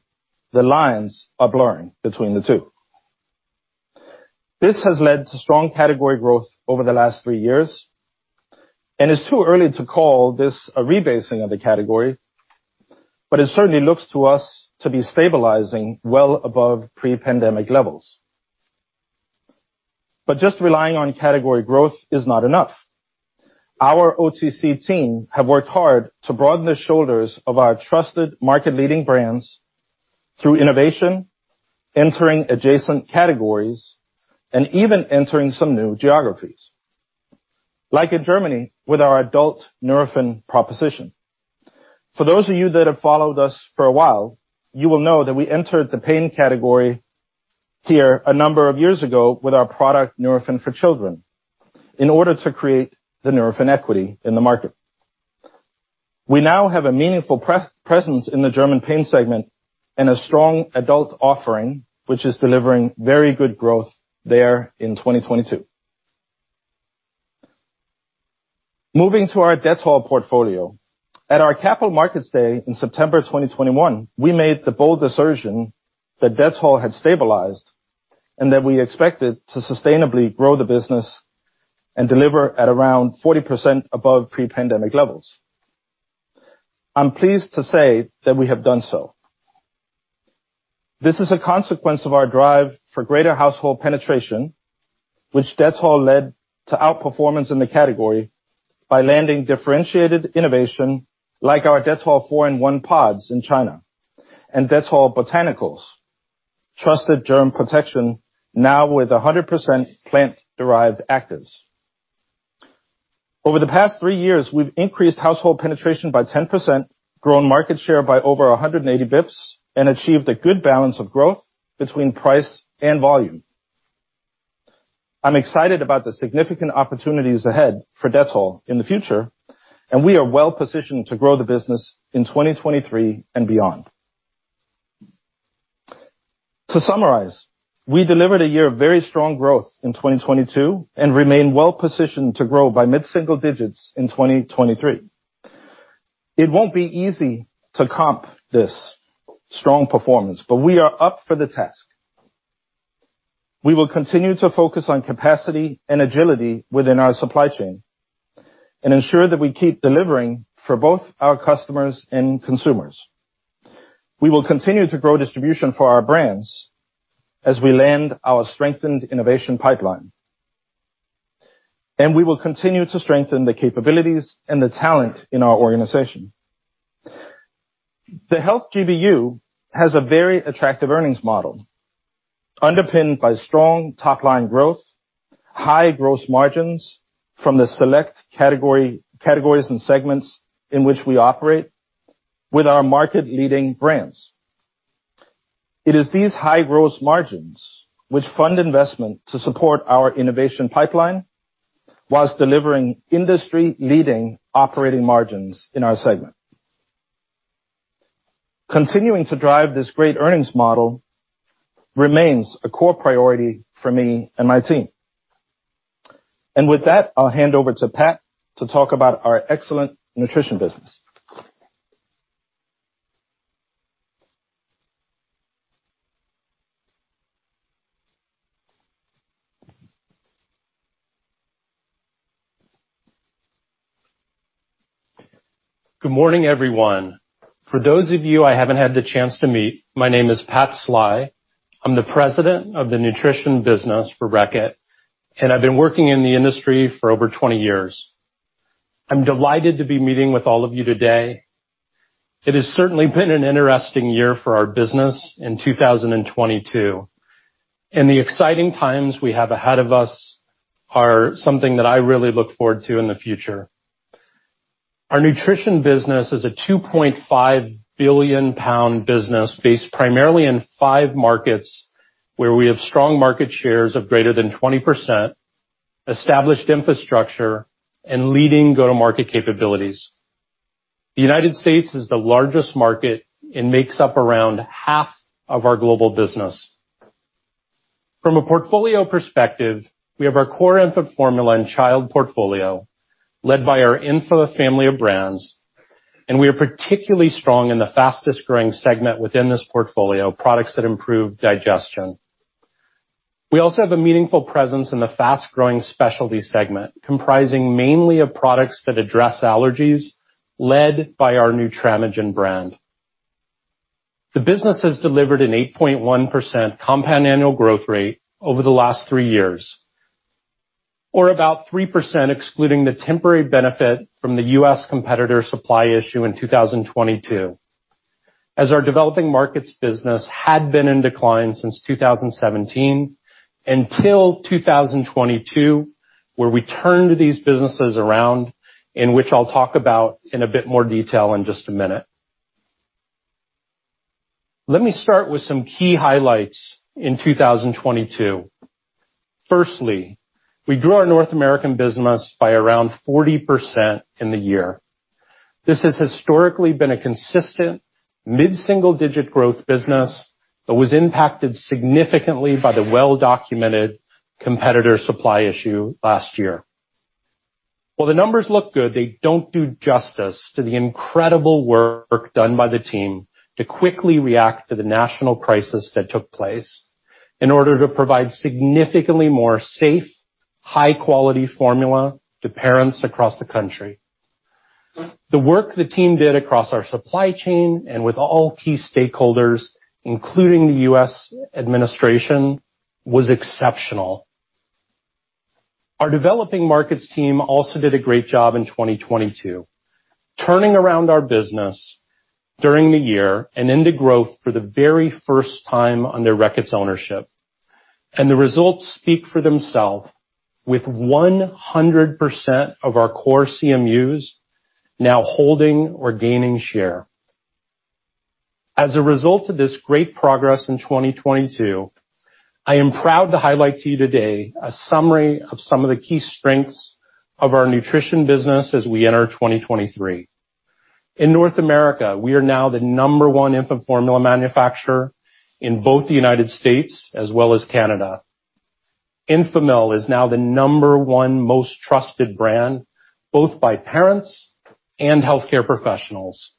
the lines are blurring between the 2. This has led to strong category growth over the last 3 years, and it's too early to call this a rebasing of the category, but it certainly looks to us to be stabilizing well above pre-pandemic levels. Just relying on category growth is not enough. Our OTC team have worked hard to broaden the shoulders of our trusted market-leading brands through innovation, entering adjacent categories, and even entering some new geographies, like in Germany with our adult Nurofen proposition. For those of you that have followed us for a while, you will know that we entered the pain category here a number of years ago with our product, Nurofen for Children, in order to create the Nurofen equity in the market. We now have a meaningful presence in the German pain segment and a strong adult offering, which is delivering very good growth there in 2022. Moving to our Dettol portfolio. At our Capital Markets Day in September of 2021, we made the bold assertion that Dettol had stabilized and that we expected to sustainably grow the business and deliver at around 40% above pre-pandemic levels. I'm pleased to say that we have done so. This is a consequence of our drive for greater household penetration, which Dettol led to outperformance in the category by landing differentiated innovation like our Dettol 4-in-1 pods in China, and Dettol Botanicals, trusted germ protection now with 100% plant-derived actives. Over the past three years, we've increased household penetration by 10%, grown market share by over 180 basis points, and achieved a good balance of growth between price and volume. I'm excited about the significant opportunities ahead for Dettol in the future, we are well-positioned to grow the business in 2023 and beyond. To summarize, we delivered a year of very strong growth in 2022, remain well-positioned to grow by mid-single digits in 2023. It won't be easy to comp this strong performance, we are up for the task. We will continue to focus on capacity and agility within our supply chain and ensure that we keep delivering for both our customers and consumers. We will continue to grow distribution for our brands as we land our strengthened innovation pipeline. We will continue to strengthen the capabilities and the talent in our organization. The Health GBU has a very attractive earnings model, underpinned by strong top-line growth, high gross margins from the select categories and segments in which we operate with our market-leading brands. It is these high gross margins which fund investment to support our innovation pipeline whilst delivering industry-leading operating margins in our segment. Continuing to drive this great earnings model remains a core priority for me and my team. With that, I'll hand over to Pat to talk about our excellent nutrition business. Good morning, everyone. For those of you I haven't had the chance to meet, my name is Pat Sly. I'm the president of the nutrition business for Reckitt. I've been working in the industry for over 20 years. I'm delighted to be meeting with all of you today. It has certainly been an interesting year for our business in 2022. The exciting times we have ahead of us are something that I really look forward to in the future. Our nutrition business is a 2.5 billion pound business based primarily in five markets, where we have strong market shares of greater than 20%, established infrastructure and leading go-to-market capabilities. The United States is the largest market and makes up around half of our global business. From a portfolio perspective, we have our core infant formula and child portfolio led by our Enfa family of brands, and we are particularly strong in the fastest-growing segment within this portfolio, products that improve digestion. We also have a meaningful presence in the fast-growing specialty segment, comprising mainly of products that address allergies, led by our Nutramigen brand. The business has delivered an 8.1% compound annual growth rate over the last three years, or about 3% excluding the temporary benefit from the U.S. competitor supply issue in 2022. As our developing markets business had been in decline since 2017 until 2022, where we turned these businesses around and which I'll talk about in a bit more detail in just a minute. Let me start with some key highlights in 2022. We grew our North American business by around 40% in the year. This has historically been a consistent mid-single digit growth business, but was impacted significantly by the well-documented competitor supply issue last year. While the numbers look good, they don't do justice to the incredible work done by the team to quickly react to the national crisis that took place in order to provide significantly more safe, high-quality formula to parents across the country. The work the team did across our supply chain and with all key stakeholders, including the U.S. administration, was exceptional. Our developing markets team also did a great job in 2022, turning around our business during the year and into growth for the very first time under Reckitt's ownership. The results speak for themselves, with 100% of our core CMUs now holding or gaining share. As a result of this great progress in 2022, I am proud to highlight to you today a summary of some of the key strengths of our nutrition business as we enter 2023. In North America, we are now the number one infant formula manufacturer in both the U.S. as well as Canada. Enfamil is now the number one most trusted brand, both by parents and healthcare professionals.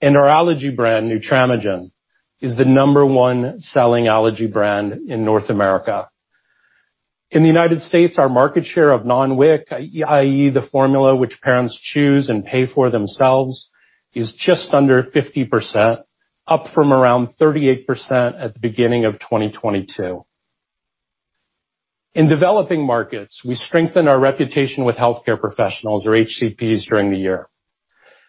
Our allergy brand, Nutramigen, is the number one selling allergy brand in North America. In the U.S., our market share of non-WIC, i.e. the formula which parents choose and pay for themselves, is just under 50%, up from around 38% at the beginning of 2022. In developing markets, we strengthen our reputation with healthcare professionals or HCPs during the year.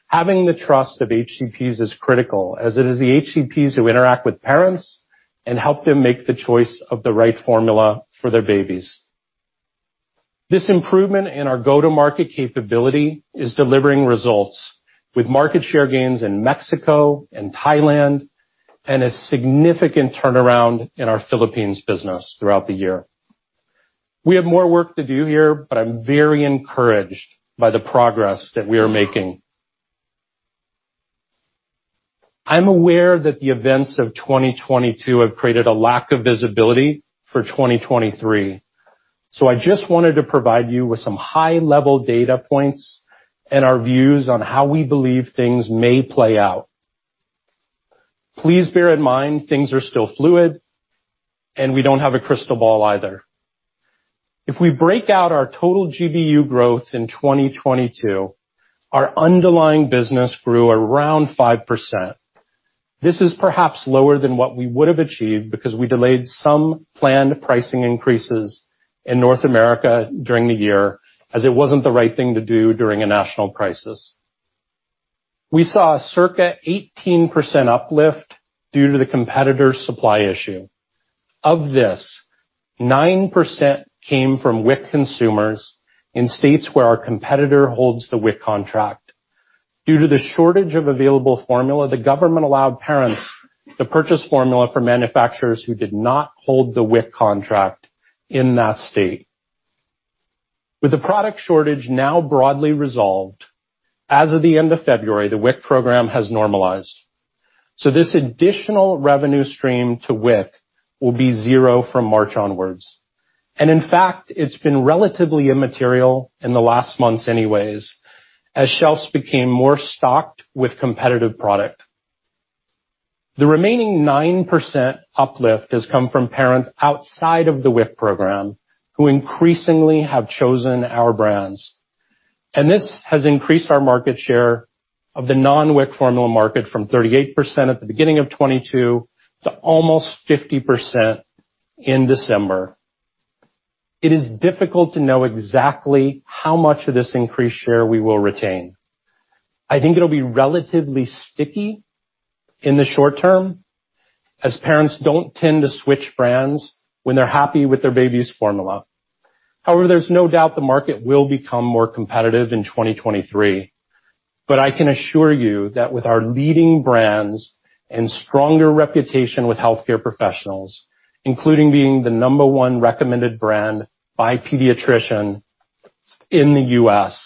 Having the trust of HCPs is critical, as it is the HCPs who interact with parents and help them make the choice of the right formula for their babies. This improvement in our go-to-market capability is delivering results with market share gains in Mexico and Thailand and a significant turnaround in our Philippines business throughout the year. We have more work to do here, but I'm very encouraged by the progress that we are making. I'm aware that the events of 2022 have created a lack of visibility for 2023. I just wanted to provide you with some high-level data points and our views on how we believe things may play out. Please bear in mind, things are still fluid, and we don't have a crystal ball either. If we break out our total GBU growth in 2022, our underlying business grew around 5%. This is perhaps lower than what we would have achieved because we delayed some planned pricing increases in North America during the year as it wasn't the right thing to do during a national crisis. We saw a circa 18% uplift due to the competitor supply issue. Of this, 9% came from WIC consumers in states where our competitor holds the WIC contract. Due to the shortage of available formula, the government allowed parents to purchase formula from manufacturers who did not hold the WIC contract in that state. With the product shortage now broadly resolved, as of the end of February, the WIC program has normalized. This additional revenue stream to WIC will be zero from March onwards. In fact, it's been relatively immaterial in the last months anyways, as shelves became more stocked with competitive product. The remaining 9% uplift has come from parents outside of the WIC program who increasingly have chosen our brands. This has increased our market share of the non-WIC formula market from 38% at the beginning of 2022 to almost 50% in December. It is difficult to know exactly how much of this increased share we will retain. I think it'll be relatively sticky in the short term, as parents don't tend to switch brands when they're happy with their baby's formula. However, there's no doubt the market will become more competitive in 2023. I can assure you that with our leading brands and stronger reputation with Healthcare Professionals, including being the number one recommended brand by pediatrician in the U.S.,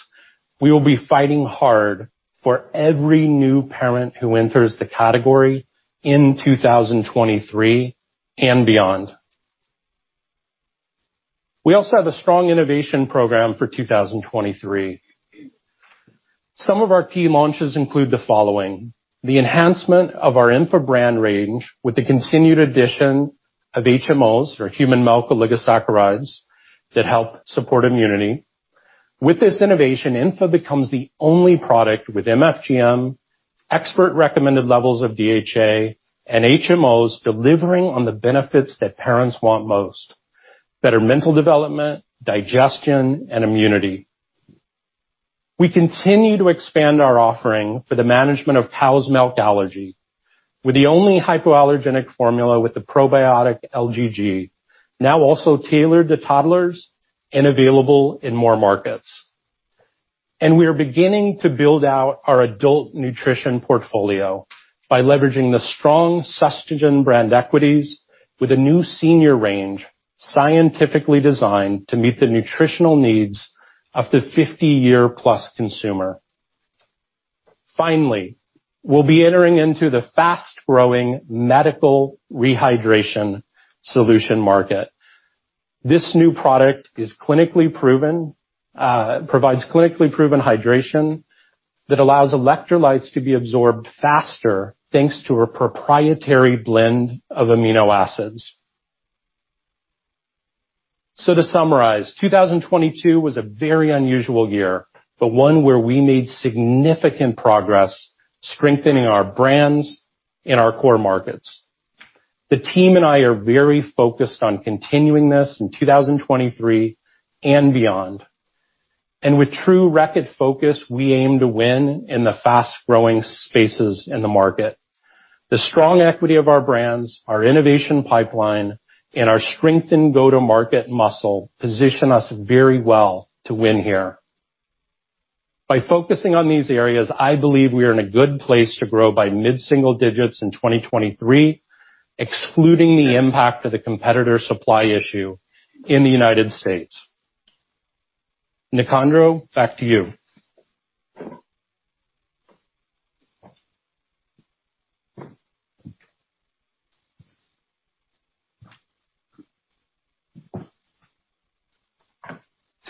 we will be fighting hard for every new parent who enters the category in 2023 and beyond. We also have a strong innovation program for 2023. Some of our key launches include the following: The enhancement of our Enfa brand range with the continued addition of HMOs or human milk oligosaccharides that help support immunity. With this innovation, Enfa becomes the only product with MFGM, expert recommended levels of DHA and HMOs, delivering on the benefits that parents want most. Better mental development, digestion and immunity. We continue to expand our offering for the management of cow's milk allergy with the only hypoallergenic formula with the probiotic LGG, now also tailored to toddlers and available in more markets. We are beginning to build out our adult nutrition portfolio by leveraging the strong Sustagen brand equities with a new senior range, scientifically designed to meet the nutritional needs of the 50-year plus consumer. Finally, we'll be entering into the fast-growing medical rehydration solution market. This new product is clinically proven, provides clinically proven hydration that allows electrolytes to be absorbed faster thanks to a proprietary blend of amino acids. To summarize, 2022 was a very unusual year, but one where we made significant progress strengthening our brands in our core markets. The team and I are very focused on continuing this in 2023 and beyond. With true Reckitt focus, we aim to win in the fast-growing spaces in the market. The strong equity of our brands, our innovation pipeline, and our strengthened go-to-market muscle position us very well to win here. By focusing on these areas, I believe we are in a good place to grow by mid-single digits in 2023, excluding the impact of the competitor supply issue in the United States. Nicandro, back to you.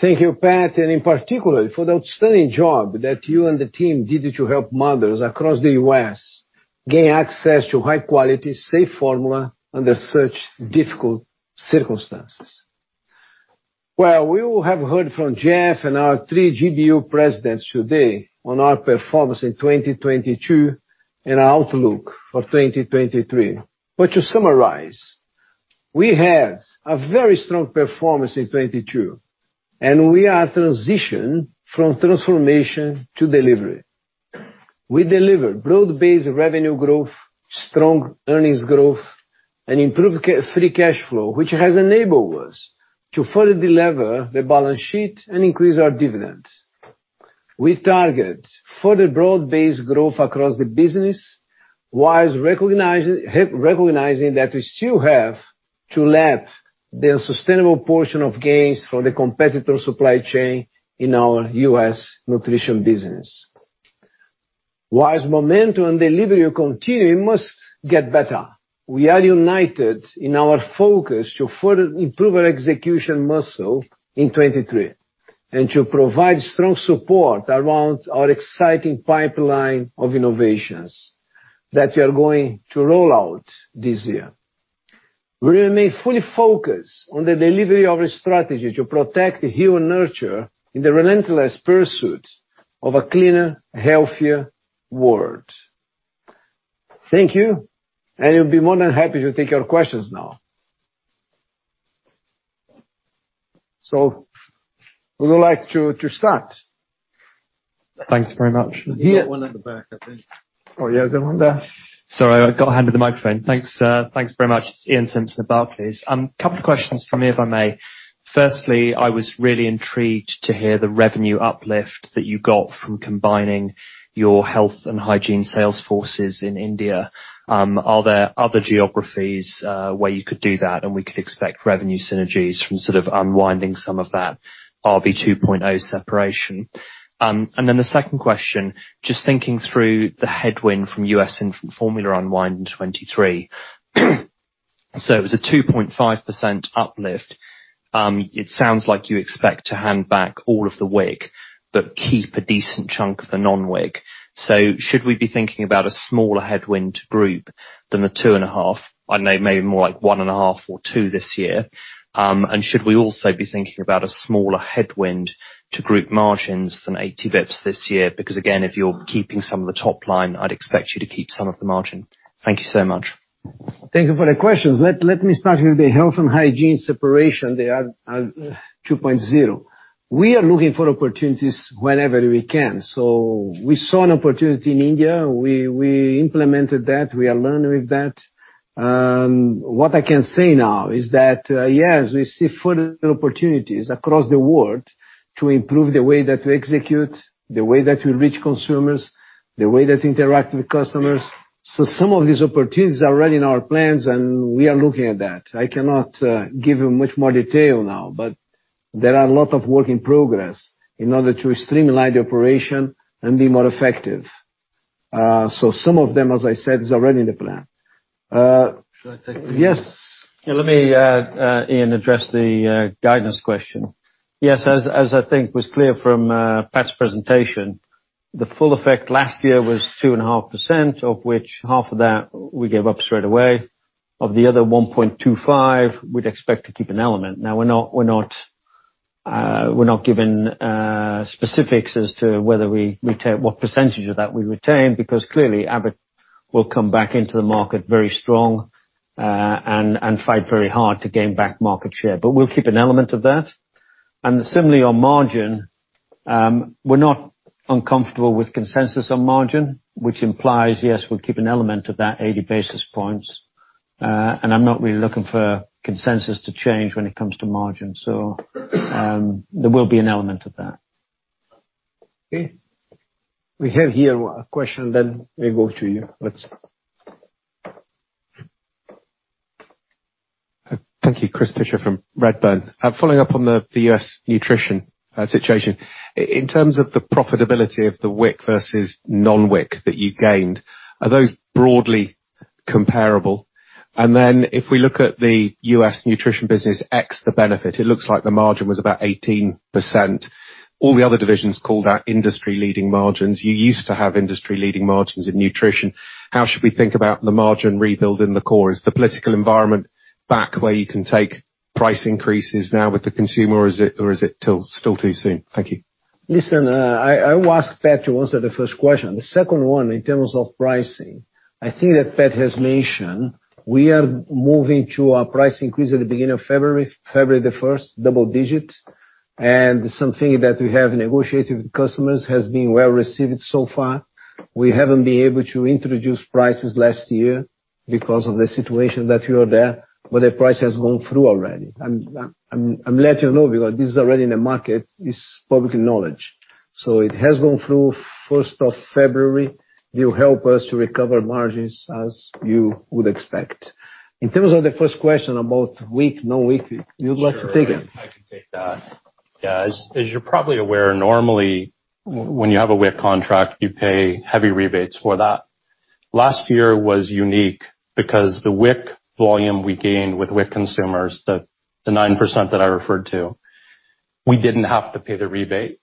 Thank you, Pat, and in particular for the outstanding job that you and the team did to help mothers across the U.S. gain access to high-quality, safe formula under such difficult circumstances. We will have heard from Jeff and our three GBU presidents today on our performance in 2022 and our outlook for 2023. To summarize, we had a very strong performance in 22, and we are transitioned from transformation to delivery. We delivered broad-based revenue growth, strong earnings growth, and improved free cash flow, which has enabled us to further delever the balance sheet and increase our dividends. We target further broad-based growth across the business, while recognizing that we still have to lap the sustainable portion of gains from the competitor supply chain in our U.S. nutrition business. While momentum and delivery continue, it must get better. We are united in our focus to further improve our execution muscle in 2023, to provide strong support around our exciting pipeline of innovations that we are going to roll out this year. We remain fully focused on the delivery of our strategy to protect, heal, and nurture in the relentless pursuit of a cleaner, healthier world. Thank you. I'll be more than happy to take your questions now. Who would like to start? Thanks very much. Here. One at the back, I think. Oh, yeah. The one there. Sorry, I got handed the microphone. Thanks, thanks very much. It's Iain Simpson at Barclays. A couple questions from me, if I may. Firstly, I was really intrigued to hear the revenue uplift that you got from combining your health and hygiene sales forces in India. Are there other geographies where you could do that, and we could expect revenue synergies from sort of unwinding some of that RB 2.0 separation? The second question, just thinking through the headwind from U.S. infant formula unwind in 2023. It was a 2.5% uplift. It sounds like you expect to hand back all of the WIC, but keep a decent chunk of the non-WIC. Should we be thinking about a smaller headwind group than the 2.5%? I know maybe more like 1.5%-2% this year. Should we also be thinking about a smaller headwind to group margins than 80 basis points this year? Because again, if you're keeping some of the top line, I'd expect you to keep some of the margin. Thank you so much. Thank you for the questions. Let me start with the health and hygiene separation. They are 2.0. We are looking for opportunities whenever we can. We saw an opportunity in India. We implemented that. We are learning with that. What I can say now is that, yes, we see further opportunities across the world to improve the way that we execute, the way that we reach consumers, the way that interact with customers. Some of these opportunities are already in our plans, and we are looking at that. I cannot give you much more detail now, but there are a lot of work in progress in order to streamline the operation and be more effective. Some of them, as I said, is already in the plan. Should I take this? Yes. Yeah, let me, Iain, address the guidance question. Yes, as I think was clear from Pat's presentation, the full effect last year was 2.5%, of which half of that we gave up straight away. Of the other 1.25, we'd expect to keep an element. Now, we're not giving specifics as to whether we what percentage of that we retain, because clearly, Abbott will come back into the market very strong and fight very hard to gain back market share. But we'll keep an element of that. Similarly, on margin, we're not uncomfortable with consensus on margin, which implies yes, we'll keep an element of that 80 basis points. I'm not really looking for consensus to change when it comes to margin. There will be an element of that. Okay. We have here a question, then we'll go to you. Let's... Thank you. Chris Pitcher from Redburn. Following up on the U.S. nutrition situation. In terms of the profitability of the WIC versus non-WIC that you gained, are those broadly comparable? If we look at the U.S. nutrition business ex the benefit, it looks like the margin was about 18%. All the other divisions call that industry-leading margins. You used to have industry-leading margins in nutrition. How should we think about the margin rebuild in the core? Is the political environment back where you can take price increases now with the consumer or is it still too soon? Thank you. Listen, I will ask Pat to answer the first question. The second one, in terms of pricing, I think that Pat has mentioned we are moving to a price increase at the beginning of February the first, double digit. Something that we have negotiated with customers has been well received so far. We haven't been able to introduce prices last year because of the situation that you are there, but the price has gone through already. I'm letting you know because this is already in the market, it's public knowledge. It has gone through first of February, will help us to recover margins as you would expect. In terms of the first question about WIC, you'd like to take it. Sure. I can take that. as you're probably aware, normally when you have a WIC contract, you pay heavy rebates for that. Last year was unique because the WIC volume we gained with WIC consumers, the 9% that I referred to, we didn't have to pay the rebate.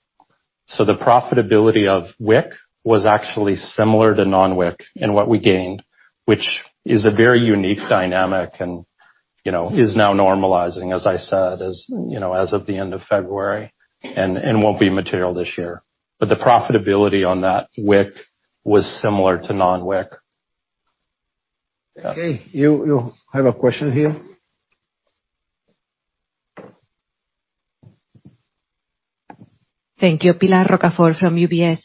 The profitability of WIC was actually similar to non-WIC in what we gained, which is a very unique dynamic and, you know, is now normalizing, as I said, as, you know, as of the end of February, and won't be material this year. The profitability on that WIC was similar to non-WIC. Okay. You have a question here. Thank you. Pilar Rocafort from UBS.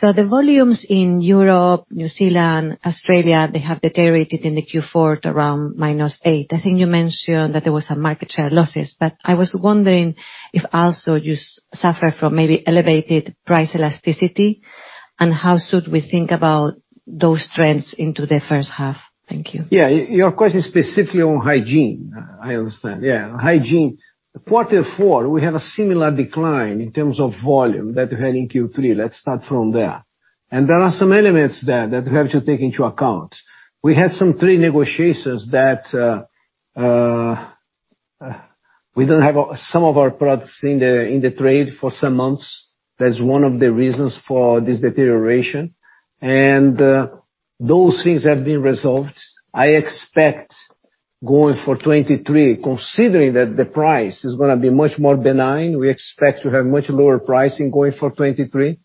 The volumes in Europe, New Zealand, Australia, they have deteriorated in the Q4 to around -8%. I think you mentioned that there was some market share losses. I was wondering if also you suffer from maybe elevated price elasticity, and how should we think about those trends into the first half? Thank you. Yeah, your question is specifically on hygiene. I understand. Yeah, hygiene. Q4 we have a similar decline in terms of volume that we had in Q3. Let's start from there. There are some elements there that we have to take into account. We had some trade negotiations that we don't have some of our products in the trade for some months. That's one of the reasons for this deterioration. Those things have been resolved. I expect going for 2023, considering that the price is gonna be much more benign, we expect to have much lower pricing going for 2023.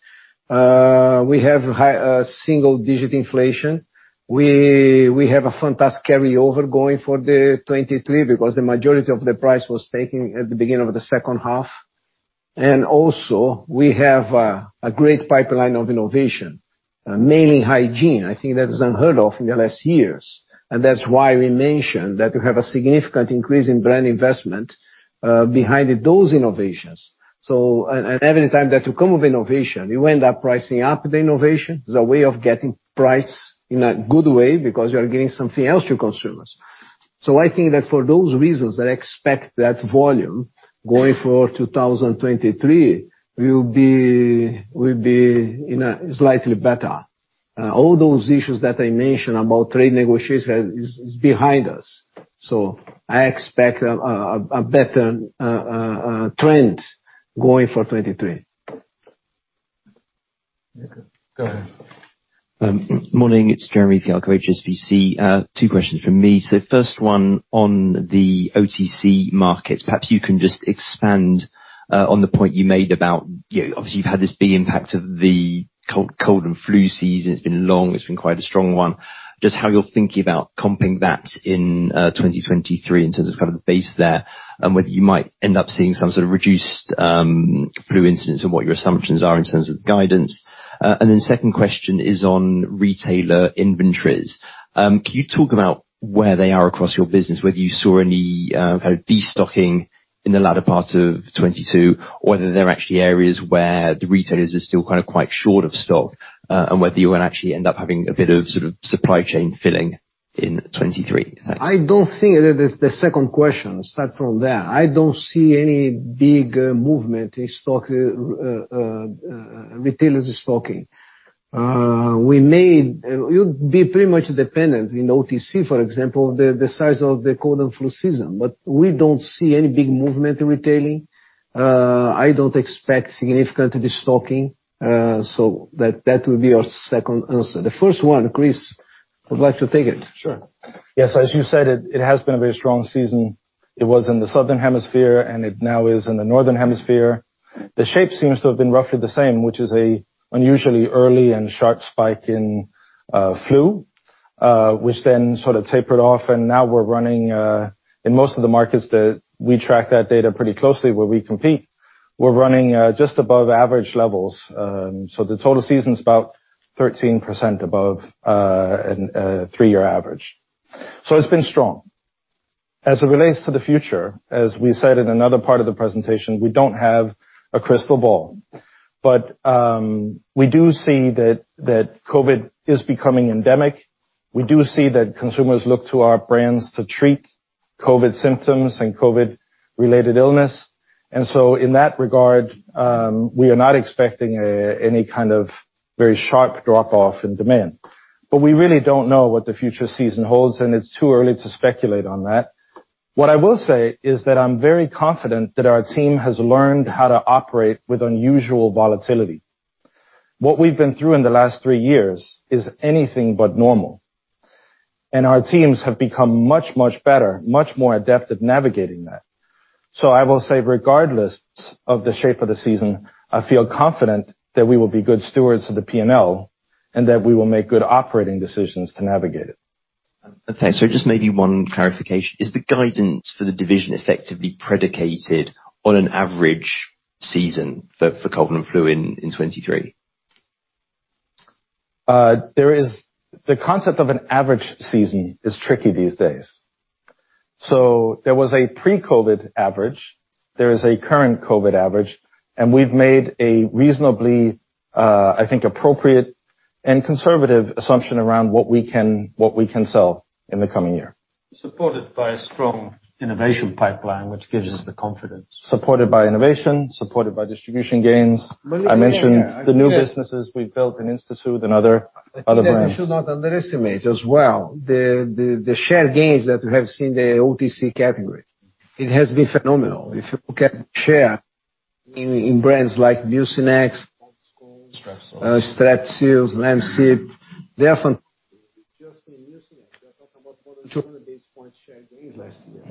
We have high single-digit inflation. We have a fantastic carryover going for the 2023 because the majority of the price was taken at the beginning of the second half. Also, we have a great pipeline of innovation, mainly hygiene. I think that is unheard of in the last years. That's why we mentioned that we have a significant increase in brand investment behind those innovations. Every time that you come with innovation, you end up pricing up the innovation as a way of getting price in a good way because you're giving something else to consumers. I think that for those reasons, I expect that volume going for 2023 will be in a slightly better. All those issues that I mentioned about trade negotiation is behind us. I expect a better trend going for 2023. Go ahead. Morning, it's Jeremy Fialko, HSBC. Two questions from me. First one, on the OTC markets, perhaps you can just expand on the point you made about, you know, obviously, you've had this big impact of the cold and flu season. It's been long, it's been quite a strong one. Just how you're thinking about comping that in 2023 in terms of kind of the base there, and whether you might end up seeing some sort of reduced flu incidents and what your assumptions are in terms of the guidance. Second question is on retailer inventories. Can you talk about where they are across your business, whether you saw any kind of destocking in the latter part of 2022, or whether there are actually areas where the retailers are still kind of quite short of stock, and whether you're gonna actually end up having a bit of sort of supply chain filling in 2023? The second question, start from there. I don't see any big movement in stock retailers stocking. You'll be pretty much dependent in OTC, for example, the size of the cold and flu season. We don't see any big movement in retailing. I don't expect significant destocking, so that will be your second answer. The first one Kris would like to take it. Sure. Yes, as you said, it has been a very strong season. It was in the Southern Hemisphere, and it now is in the Northern Hemisphere. The shape seems to have been roughly the same, which is an unusually early and sharp spike in flu, which then sort of tapered off and now we're running in most of the markets that we track that data pretty closely where we compete, we're running just above average levels. The total season's about 13% above a three-year average. It's been strong. As it relates to the future, as we said in another part of the presentation, we don't have a crystal ball. We do see that COVID is becoming endemic. We do see that consumers look to our brands to treat COVID symptoms and COVID-related illness. In that regard, we are not expecting any kind of very sharp drop-off in demand. We really don't know what the future season holds, and it's too early to speculate on that. What I will say is that I'm very confident that our team has learned how to operate with unusual volatility. What we've been through in the last three years is anything but normal. Our teams have become much better, much more adept at navigating that. I will say regardless of the shape of the season, I feel confident that we will be good stewards of the P&L and that we will make good operating decisions to navigate it. Just maybe one 1 clarification. Is the guidance for the division effectively predicated on an average season for COVID and flu in 2023? The concept of an average season is tricky these days. There was a pre-COVID average, there is a current COVID average, We've made a reasonably, I think, appropriate and conservative assumption around what we can sell in the coming year. Supported by a strong innovation pipeline, which gives us the confidence. Supported by innovation, supported by distribution gains. I mentioned the new businesses we've built in InstaSoothe and other brands. You should not underestimate as well the share gains that we have seen in the OTC category. It has been phenomenal. If you look at share in brands like Mucinex. Strepsils. Strepsils, Lemsip, Just in Mucinex, we are talking about more than 200 basis points share gains last year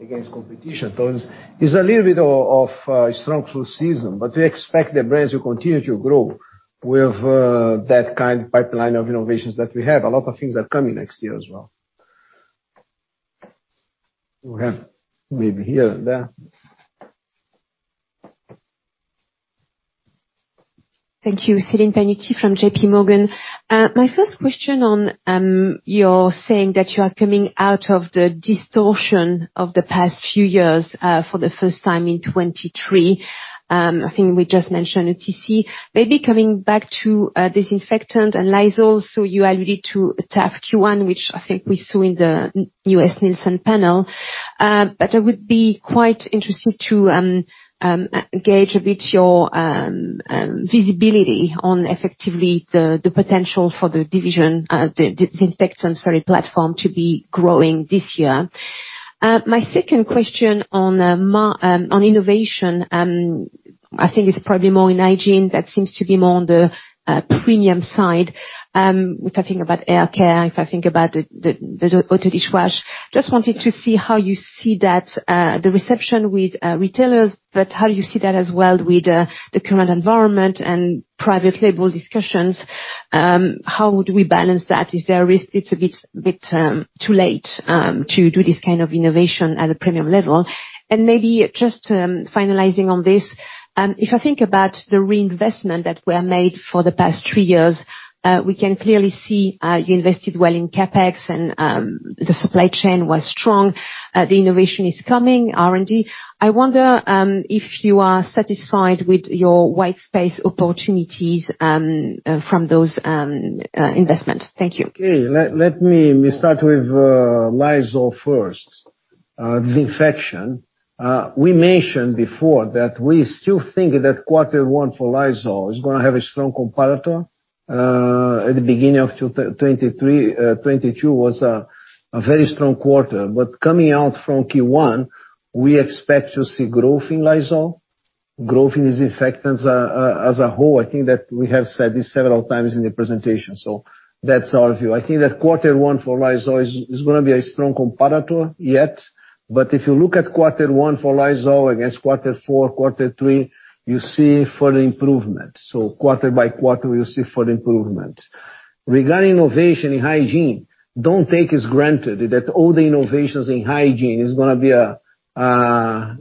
against competition. Those is a little bit of a strong flu season, we expect the brands to continue to grow with that kind of pipeline of innovations that we have. A lot of things are coming next year as well. We have maybe here and there. Thank you. Celine Pannuti from J.P. Morgan. My first question on you're saying that you are coming out of the distortion of the past few years for the first time in 2023. I think we just mentioned OTC. Maybe coming back to disinfectant and Lysol, you alluded to a tough Q1, which I think we saw in the U.S. Nielsen panel. I would be quite interested to gauge a bit your visibility on effectively the potential for the division, the disinfectant, sorry, platform to be growing this year. My second question on innovation, I think it's probably more in hygiene that seems to be more on the premium side, if I think about air care, if I think about the Auto Dish wash. Just wanted to see how you see that, the reception with retailers, but how you see that as well with the current environment and private label discussions. How would we balance that? Is there a risk it's a bit too late to do this kind of innovation at a premium level? Maybe just finalizing on this, if I think about the reinvestment that were made for the past three years, we can clearly see, you invested well in CapEx and the supply chain was strong, the innovation is coming, R&D. I wonder if you are satisfied with your white space opportunities from those investments. Thank you. Okay. Let me start with Lysol first. Uh, disinfection. We mentioned before that we still think that quarter one for Lysol is gonna have a strong comparator. At the beginning of 2023, 2022 was a very strong quarter. Coming out from Q1, we expect to see growth in Lysol, growth in disinfectants as a whole. I think that we have said this several times in the presentation, so that's our view. I think that quarter one for Lysol is gonna be a strong comparator yet. If you look at Q1 for Lysol against Q4, Q3, you see further improvement. Quarter by quarter, you'll see further improvement. Regarding innovation in hygiene, don't take as granted that all the innovations in hygiene is gonna be a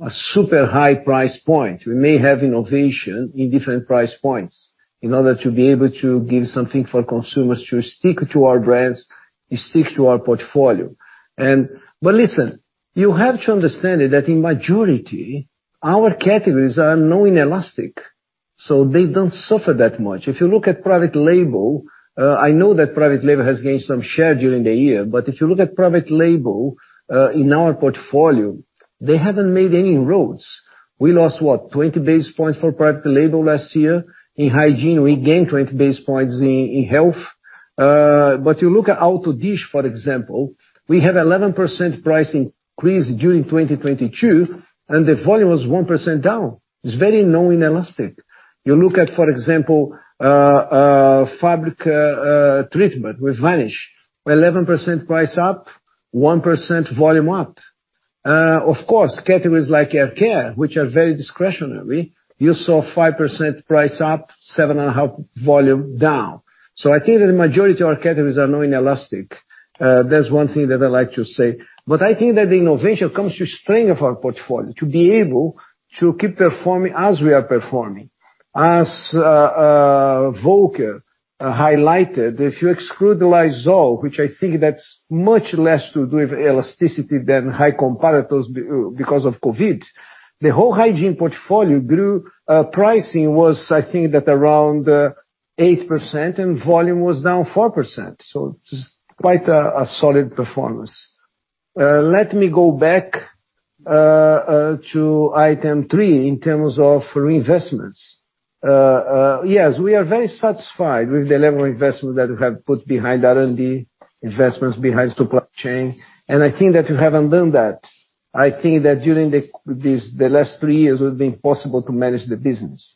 super high price point. We may have innovation in different price points in order to be able to give something for consumers to stick to our brands and stick to our portfolio. Listen, you have to understand that in majority, our categories are non-inelastic, so they don't suffer that much. If you look at private label, I know that private label has gained some share during the year, but if you look at private label, in our portfolio, they haven't made any inroads. We lost, what, 20 base points for private label last year. In hygiene, we gained 20 base points in health. You look at Auto Dish, for example, we have 11% price increase during 2022, and the volume was 1% down. It's very non-inelastic. You look at, for example, fabric treatment with Vanish. 11% price up, 1% volume up. Of course, categories like hair care, which are very discretionary, you saw 5% price up, 7.5% volume down. I think that the majority of our categories are non-inelastic. That's one thing that I like to say. I think that the innovation comes to strength of our portfolio, to be able to keep performing as we are performing. As Volker highlighted, if you exclude the Lysol, which I think that's much less to do with elasticity than high comparators because of COVID, the whole hygiene portfolio grew. Pricing was, I think, at around 8%, and volume was down 4%, so just quite a solid performance. Let me go back to item three in terms of reinvestments. Yes, we are very satisfied with the level of investment that we have put behind R&D, investments behind supply chain. I think that if we haven't done that, I think that during the last three years, it would be impossible to manage the business,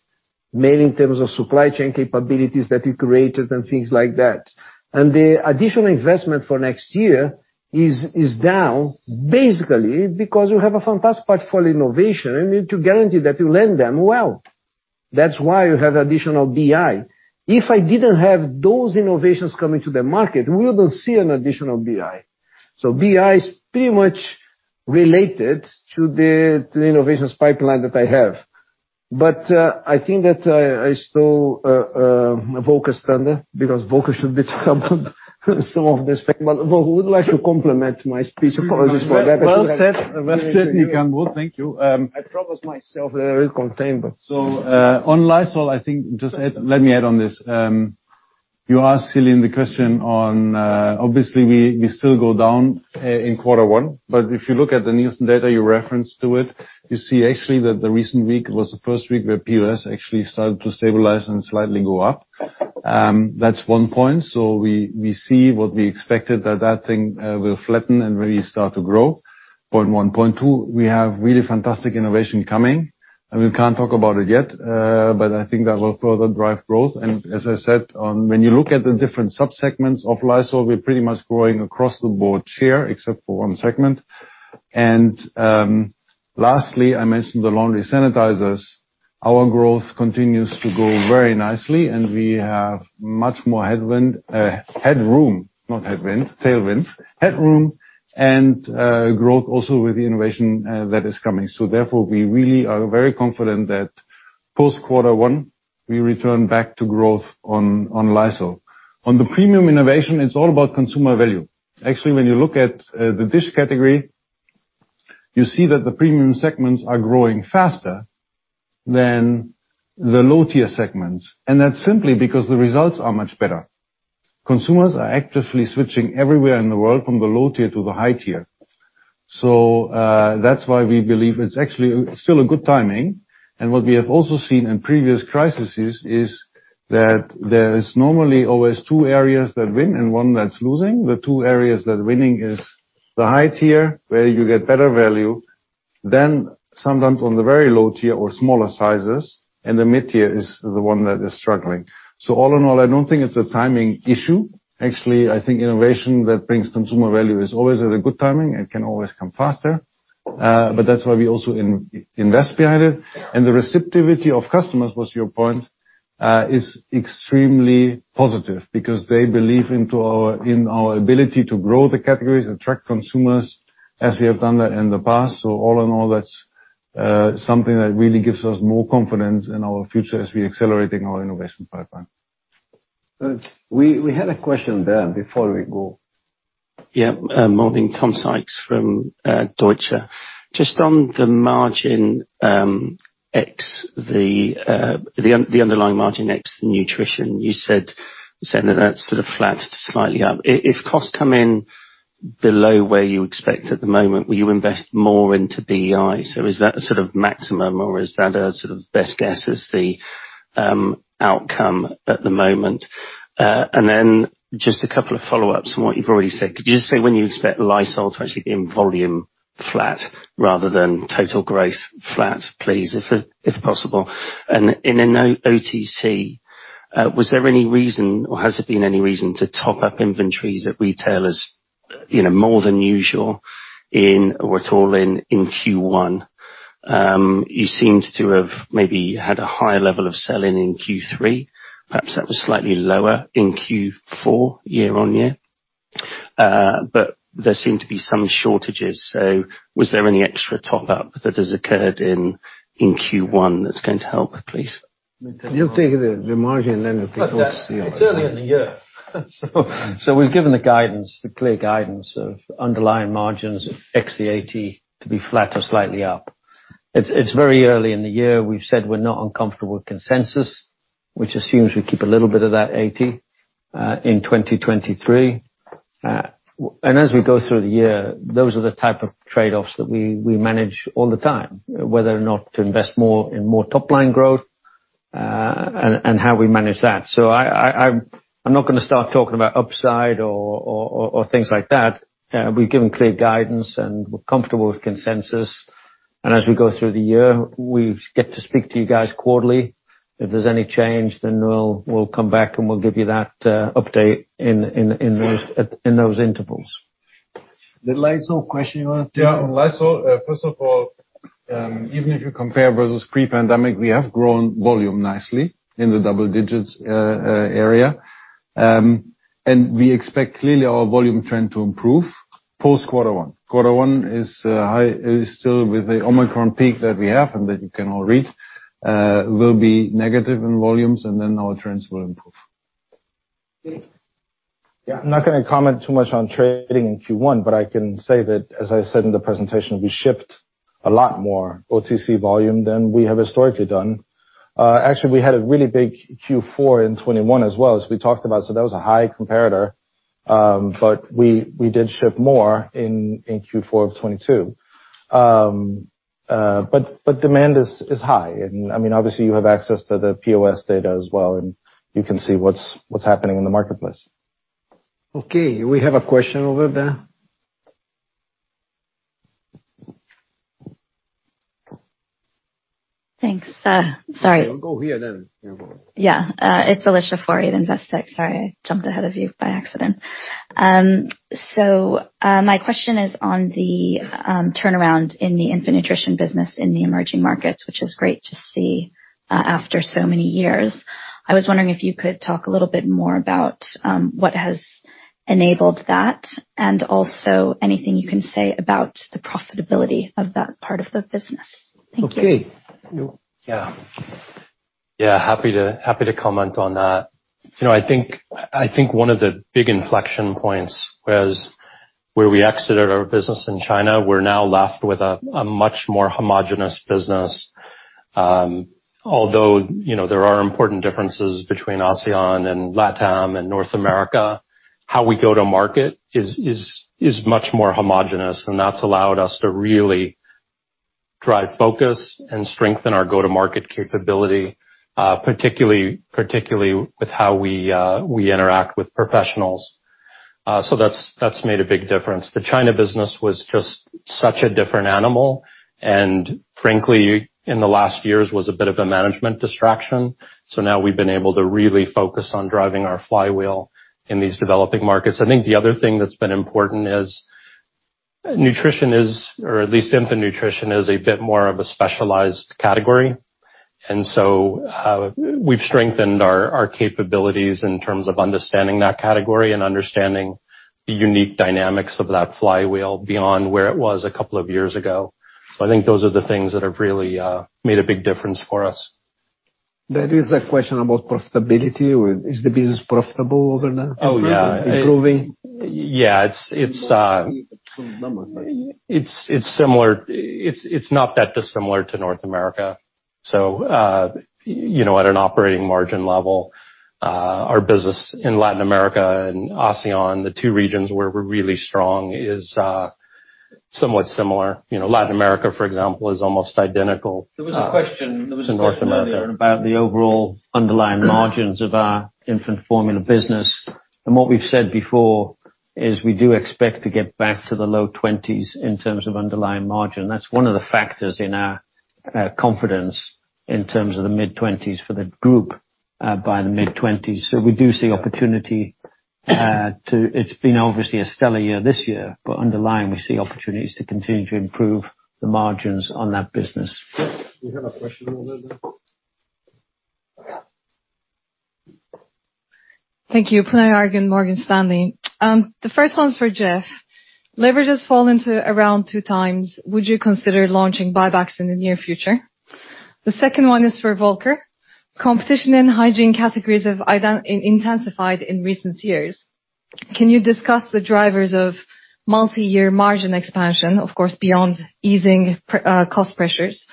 mainly in terms of supply chain capabilities that we created and things like that. The additional investment for next year is down basically because you have a fantastic portfolio innovation and you need to guarantee that you land them well. That's why you have additional BI. If I didn't have those innovations coming to the market, we wouldn't see an additional BI. BI is pretty much related to the innovations pipeline that I have. I think that I stole Volker's thunder because Volker should be talking some of this. Volker would like to complement my speech. Apologies for that. Well said. Well said, Nicandro. Thank you. I promised myself that I will contain. On Lysol, I think just Let me add on this. You asked, Celine, the question on obviously we still go down in quarter one, if you look at the Nielsen data, you referenced to it, you see actually that the recent week was the first week where POS actually started to stabilize and slightly go up. That's one point. We see what we expected that that thing will flatten and really start to grow, point one. Point two, we have really fantastic innovation coming, we can't talk about it yet, I think that will further drive growth. As I said, when you look at the different sub-segments of Lysol, we're pretty much growing across the board here, except for one segment. Lastly, I mentioned the laundry sanitizers. Our growth continues to grow very nicely, and we have much more headwind, headroom. Not headwind, tailwind. Headroom, growth also with the innovation that is coming. Therefore, we really are very confident that post quarter one, we return back to growth on Lysol. On the premium innovation, it's all about consumer value. Actually, when you look at the dish category, you see that the premium segments are growing faster than the low-tier segments, and that's simply because the results are much better. Consumers are actively switching everywhere in the world from the low tier to the high tier. That's why we believe it's actually still a good timing. What we have also seen in previous crises is that there is normally always two areas that win and one that's losing. The two areas that are winning is the high tier, where you get better value, than sometimes on the very low tier or smaller sizes, and the mid tier is the one that is struggling. All in all, I don't think it's a timing issue. Actually, I think innovation that brings consumer value is always at a good timing. It can always come faster, but that's why we also invest behind it. The receptivity of customers, was your point, is extremely positive because they believe into our ability to grow the categories and attract consumers as we have done that in the past. All in all, that's something that really gives us more confidence in our future as we're accelerating our innovation pipeline. We had a question there before we go. Yeah. Morning, Tom Sykes from Deutsche. Just on the margin, ex the underlying margin ex the nutrition, you said that that's sort of flat to slightly up. If costs come in below where you expect at the moment, will you invest more into BEI? Is that a sort of maximum, or is that a sort of best guess as the outcome at the moment? Just a couple of follow-ups on what you've already said. Could you just say when you expect Lysol to actually be in volume flat rather than total growth flat, please, if possible? In an OTC, was there any reason or has there been any reason to top up inventories at retailers, you know, more than usual in or at all in Q1? You seemed to have maybe had a higher level of selling in Q3. Perhaps that was slightly lower in Q4 year-on-year. There seemed to be some shortages. Was there any extra top-up that has occurred in Q1 that's going to help, please? You take the margin, then if it helps you. It's early in the year. We've given the guidance, the clear guidance of underlying margins ex VAT to be flat or slightly up. It's very early in the year. We've said we're not uncomfortable with consensus, which assumes we keep a little bit of that 80 in 2023. As we go through the year, those are the type of trade-offs that we manage all the time, whether or not to invest more in more top-line growth, and how we manage that. I'm not gonna start talking about upside or things like that. We've given clear guidance, and we're comfortable with consensus. As we go through the year, we get to speak to you guys quarterly. If there's any change, then we'll come back, and we'll give you that update in those intervals. The Lysol question you wanna take? Yeah. Lysol, first of all, even if you compare versus pre-pandemic, we have grown volume nicely in the double digits area. We expect clearly our volume trend to improve post-quarter one. Quarter one is high, is still with the Omicron peak that we have and that you can all read, will be negative in volumes, then our trends will improve. Nick. Yeah. I'm not gonna comment too much on trading in Q1, but I can say that, as I said in the presentation, we shipped a lot more OTC volume than we have historically done. Actually, we had a really big Q4 in 2021 as well, as we talked about. That was a high comparator. We did ship more in Q4 of 2022. Demand is high. I mean, obviously you have access to the POS data as well, and you can see what's happening in the marketplace. Okay. We have a question over there. Thanks. Sorry. We'll go here, then. Yeah. It's Alicia Forry at Investec. Sorry, I jumped ahead of you by accident. My question is on the turnaround in the infant nutrition business in the emerging markets, which is great to see after so many years. I was wondering if you could talk a little bit more about what has enabled that, and also anything you can say about the profitability of that part of the business. Thank you. Okay. Nick. Yeah. Yeah, happy to, happy to comment on that. You know, I think, I think one of the big inflection points was where we exited our business in China. We're now left with a much more homogenous business. Although, you know, there are important differences between ASEAN and LatAm and North America, how we go to market is much more homogenous, and that's allowed us to really drive focus and strengthen our go-to-market capability, particularly with how we interact with professionals. So that's made a big difference. The China business was just such a different animal and frankly, in the last years, was a bit of a management distraction. Now we've been able to really focus on driving our flywheel in these developing markets. I think the other thing that's been important is nutrition is, or at least infant nutrition is a bit more of a specialized category. We've strengthened our capabilities in terms of understanding that category and understanding the unique dynamics of that flywheel beyond where it was a couple of years ago. I think those are the things that have really made a big difference for us. There is a question about profitability. Is the business profitable over there? Oh, yeah. Improving? Yeah. It's. Number. It's similar. It's not that dissimilar to North America. You know, at an operating margin level, our business in Latin America and ASEAN, the two regions where we're really strong, is somewhat similar. You know, Latin America, for example, is almost identical. There was a question. To North America. There was a question earlier about the overall underlying margins of our infant formula business. What we've said before is we do expect to get back to the low 20s% in terms of underlying margin. That's one of the factors in our confidence in terms of the mid-20s% for the group by the mid-20s%. We do see opportunity. It's been obviously a stellar year this year. Underlying, we see opportunities to continue to improve the margins on that business. We have a question over there. Thank you. Pinar Ergun, Morgan Stanley. The first one's for Jeff. Leverage has fallen to around two times. Would you consider launching buybacks in the near future? The second one is for Volker. Competition in Hygiene categories have intensified in recent years. Can you discuss the drivers of multi-year margin expansion, of course, beyond easing cost pressures?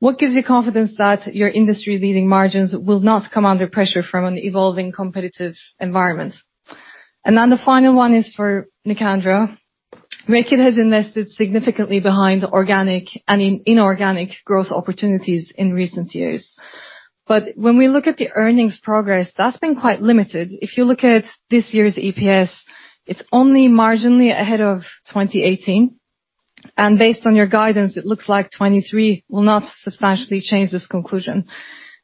What gives you confidence that your industry-leading margins will not come under pressure from an evolving competitive environment? The final one is for Nicandro. Reckitt has invested significantly behind organic and inorganic growth opportunities in recent years. When we look at the earnings progress, that's been quite limited. If you look at this year's EPS, it's only marginally ahead of 2018. Based on your guidance, it looks like 2023 will not substantially change this conclusion.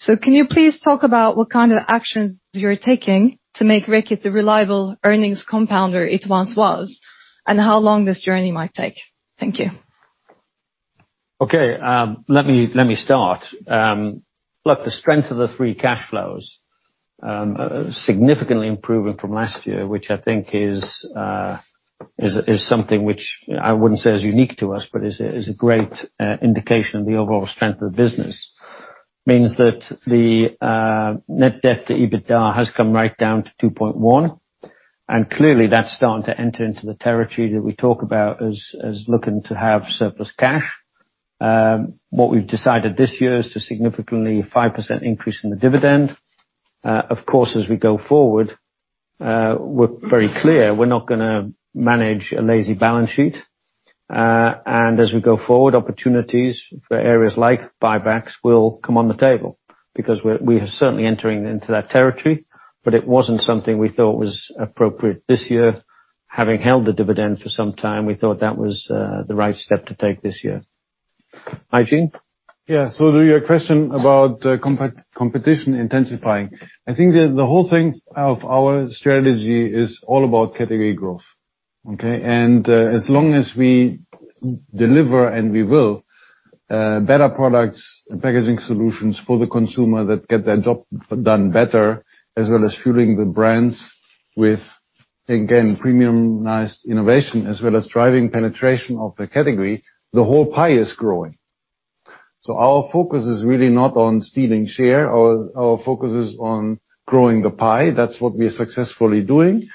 Can you please talk about what kind of actions you're taking to make Reckitt the reliable earnings compounder it once was, and how long this journey might take? Thank you. Okay, let me start. The strength of the free cash flows significantly improving from last year, which I think is something which I wouldn't say is unique to us, but is a great indication of the overall strength of the business. Means that the net debt to EBITDA has come right down to 2.1, clearly that's starting to enter into the territory that we talk about as looking to have surplus cash. What we've decided this year is to significantly 5% increase in the dividend. As we go forward, we're very clear we're not gonna manage a lazy balance sheet. As we go forward, opportunities for areas like buybacks will come on the table, because we are certainly entering into that territory. It wasn't something we thought was appropriate this year. Having held the dividend for some time, we thought that was the right step to take this year. Hygiene? Yeah. To your question about competition intensifying, I think the whole thing of our strategy is all about category growth, okay? As long as we deliver, and we will, better products and packaging solutions for the consumer that get their job done better, as well as fueling the brands with, again, premiumized innovation, as well as driving penetration of the category, the whole pie is growing. Our focus is really not on stealing share. Our focus is on growing the pie. That's what we are successfully doing.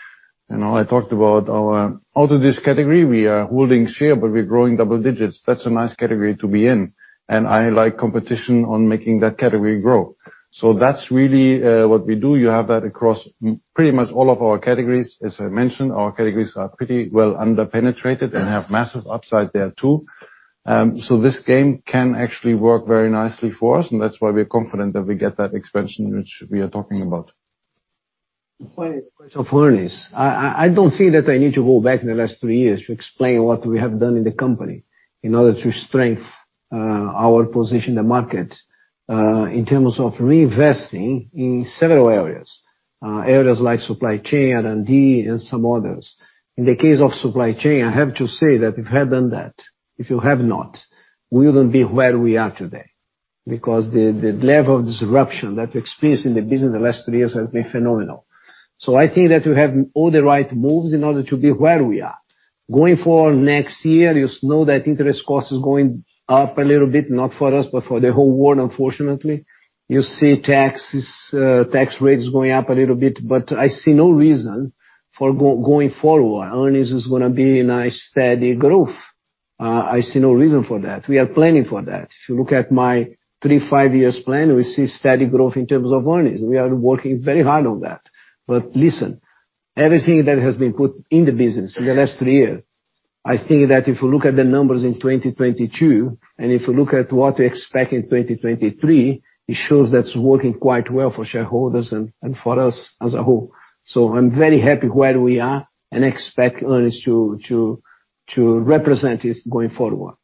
You know, I talked about out of this category, we are holding share, but we're growing double digits. That's a nice category to be in, I like competition on making that category grow. That's really what we do. You have that across pretty much all of our categories. As I mentioned, our categories are pretty well under-penetrated and have massive upside there too. This game can actually work very nicely for us, and that's why we are confident that we get that expansion which we are talking about. The final question of earnings. I don't think that I need to go back in the last three years to explain what we have done in the company in order to strengthen our position in the market in terms of reinvesting in several areas like supply chain, R&D, and some others. In the case of supply chain, I have to say that if we hadn't done that, if you have not, we wouldn't be where we are today because the level of disruption that we experienced in the business in the last three years has been phenomenal. I think that we have all the right moves in order to be where we are. Going forward next year, you know that interest cost is going up a little bit, not for us, but for the whole world, unfortunately. You see taxes, tax rates going up a little bit. I see no reason for going forward. Earnings is gonna be a nice, steady growth. I see no reason for that. We are planning for that. If you look at my three, 5-year plan, we see steady growth in terms of earnings. We are working very hard on that. Listen, everything that has been put in the business in the last three years, I think that if you look at the numbers in 2022 and if you look at what we expect in 2023, it shows that it's working quite well for shareholders and for us as a whole. I'm very happy where we are and expect earnings to represent this going forward.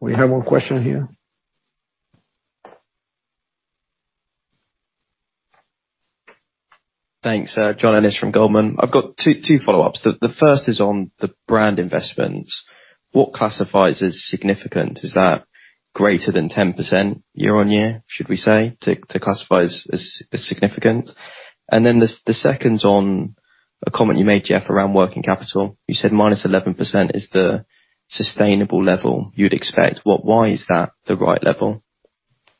We have one question here. Thanks. John Ennis from Goldman. I've got two follow-ups. The first is on the brand investments. What classifies as significant? Is that greater than 10% year-on-year, should we say, to classify as significant? Then the second's on a comment you made, Jeff, around working capital. You said -11% is the sustainable level you'd expect. Why is that the right level?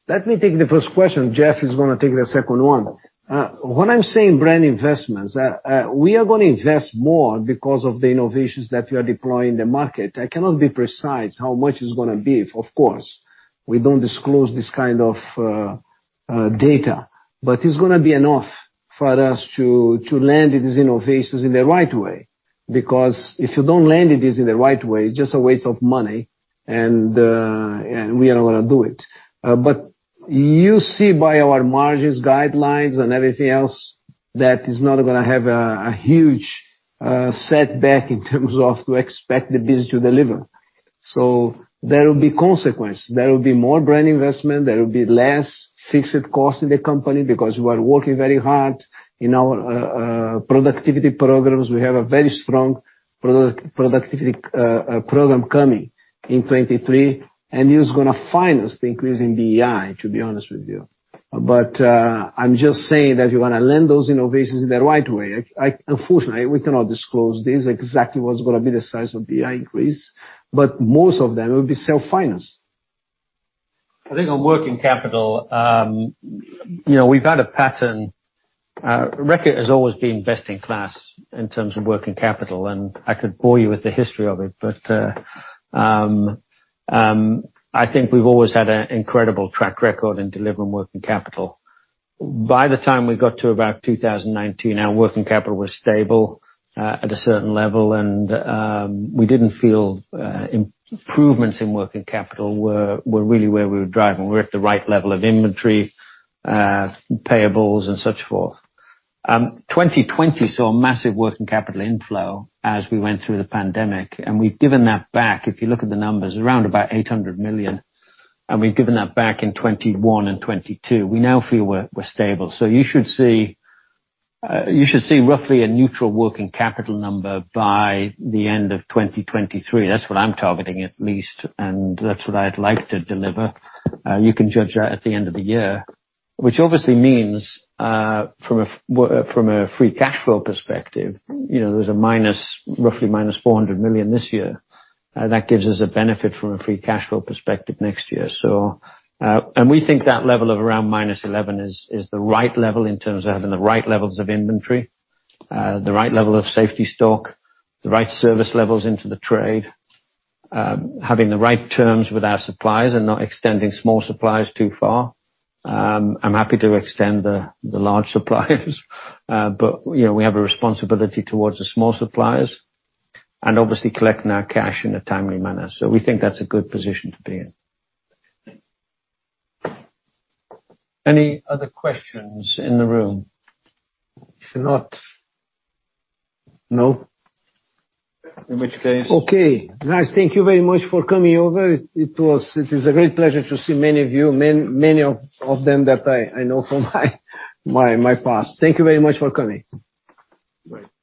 Let me take the first question. Jeff is gonna take the second one. When I'm saying brand investments, we are gonna invest more because of the innovations that we are deploying in the market. I cannot be precise how much it's gonna be. Of course, we don't disclose this kind of data, but it's gonna be enough for us to land these innovations in the right way. Because if you don't land this in the right way, it's just a waste of money and we are not gonna do it. You see by our margins guidelines and everything else that it's not gonna have a huge setback in terms of to expect the business to deliver. There will be consequence. There will be more brand investment. There will be less fixed cost in the company because we are working very hard in our productivity programs. We have a very strong product-productivity program coming in 2023, and it is gonna find us increasing the EI, to be honest with you. I'm just saying that you wanna lend those innovations in the right way. Unfortunately, we cannot disclose this exactly what's gonna be the size of the increase, but most of them will be self-financed. I think on working capital, you know, we've had a pattern. Reckitt has always been Best in Class in terms of working capital, and I could bore you with the history of it, but I think we've always had an incredible track record in delivering working capital. By the time we got to about 2019, our working capital was stable, at a certain level and we didn't feel improvements in working capital were really where we were driving. We're at the right level of inventory, payables and such forth. 2020 saw a massive working capital inflow as we went through the pandemic, and we've given that back. If you look at the numbers, around about 800 million, and we've given that back in 2021 and 2022. We now feel we're stable. You should see roughly a neutral working capital number by the end of 2023. That's what I'm targeting at least, and that's what I'd like to deliver. You can judge that at the end of the year, which obviously means from a free cash flow perspective, you know, there's a minus, roughly minus 400 million this year. That gives us a benefit from a free cash flow perspective next year. We think that level of around minus 11 is the right level in terms of having the right levels of inventory, the right level of safety stock, the right service levels into the trade, having the right terms with our suppliers and not extending small suppliers too far. I'm happy to extend the large suppliers, but, you know, we have a responsibility towards the small suppliers, and obviously collecting our cash in a timely manner. We think that's a good position to be in. Any other questions in the room? No. In which case- Okay. Guys, thank you very much for coming over. It is a great pleasure to see many of you. Many of them that I know from my past. Thank you very much for coming. Right.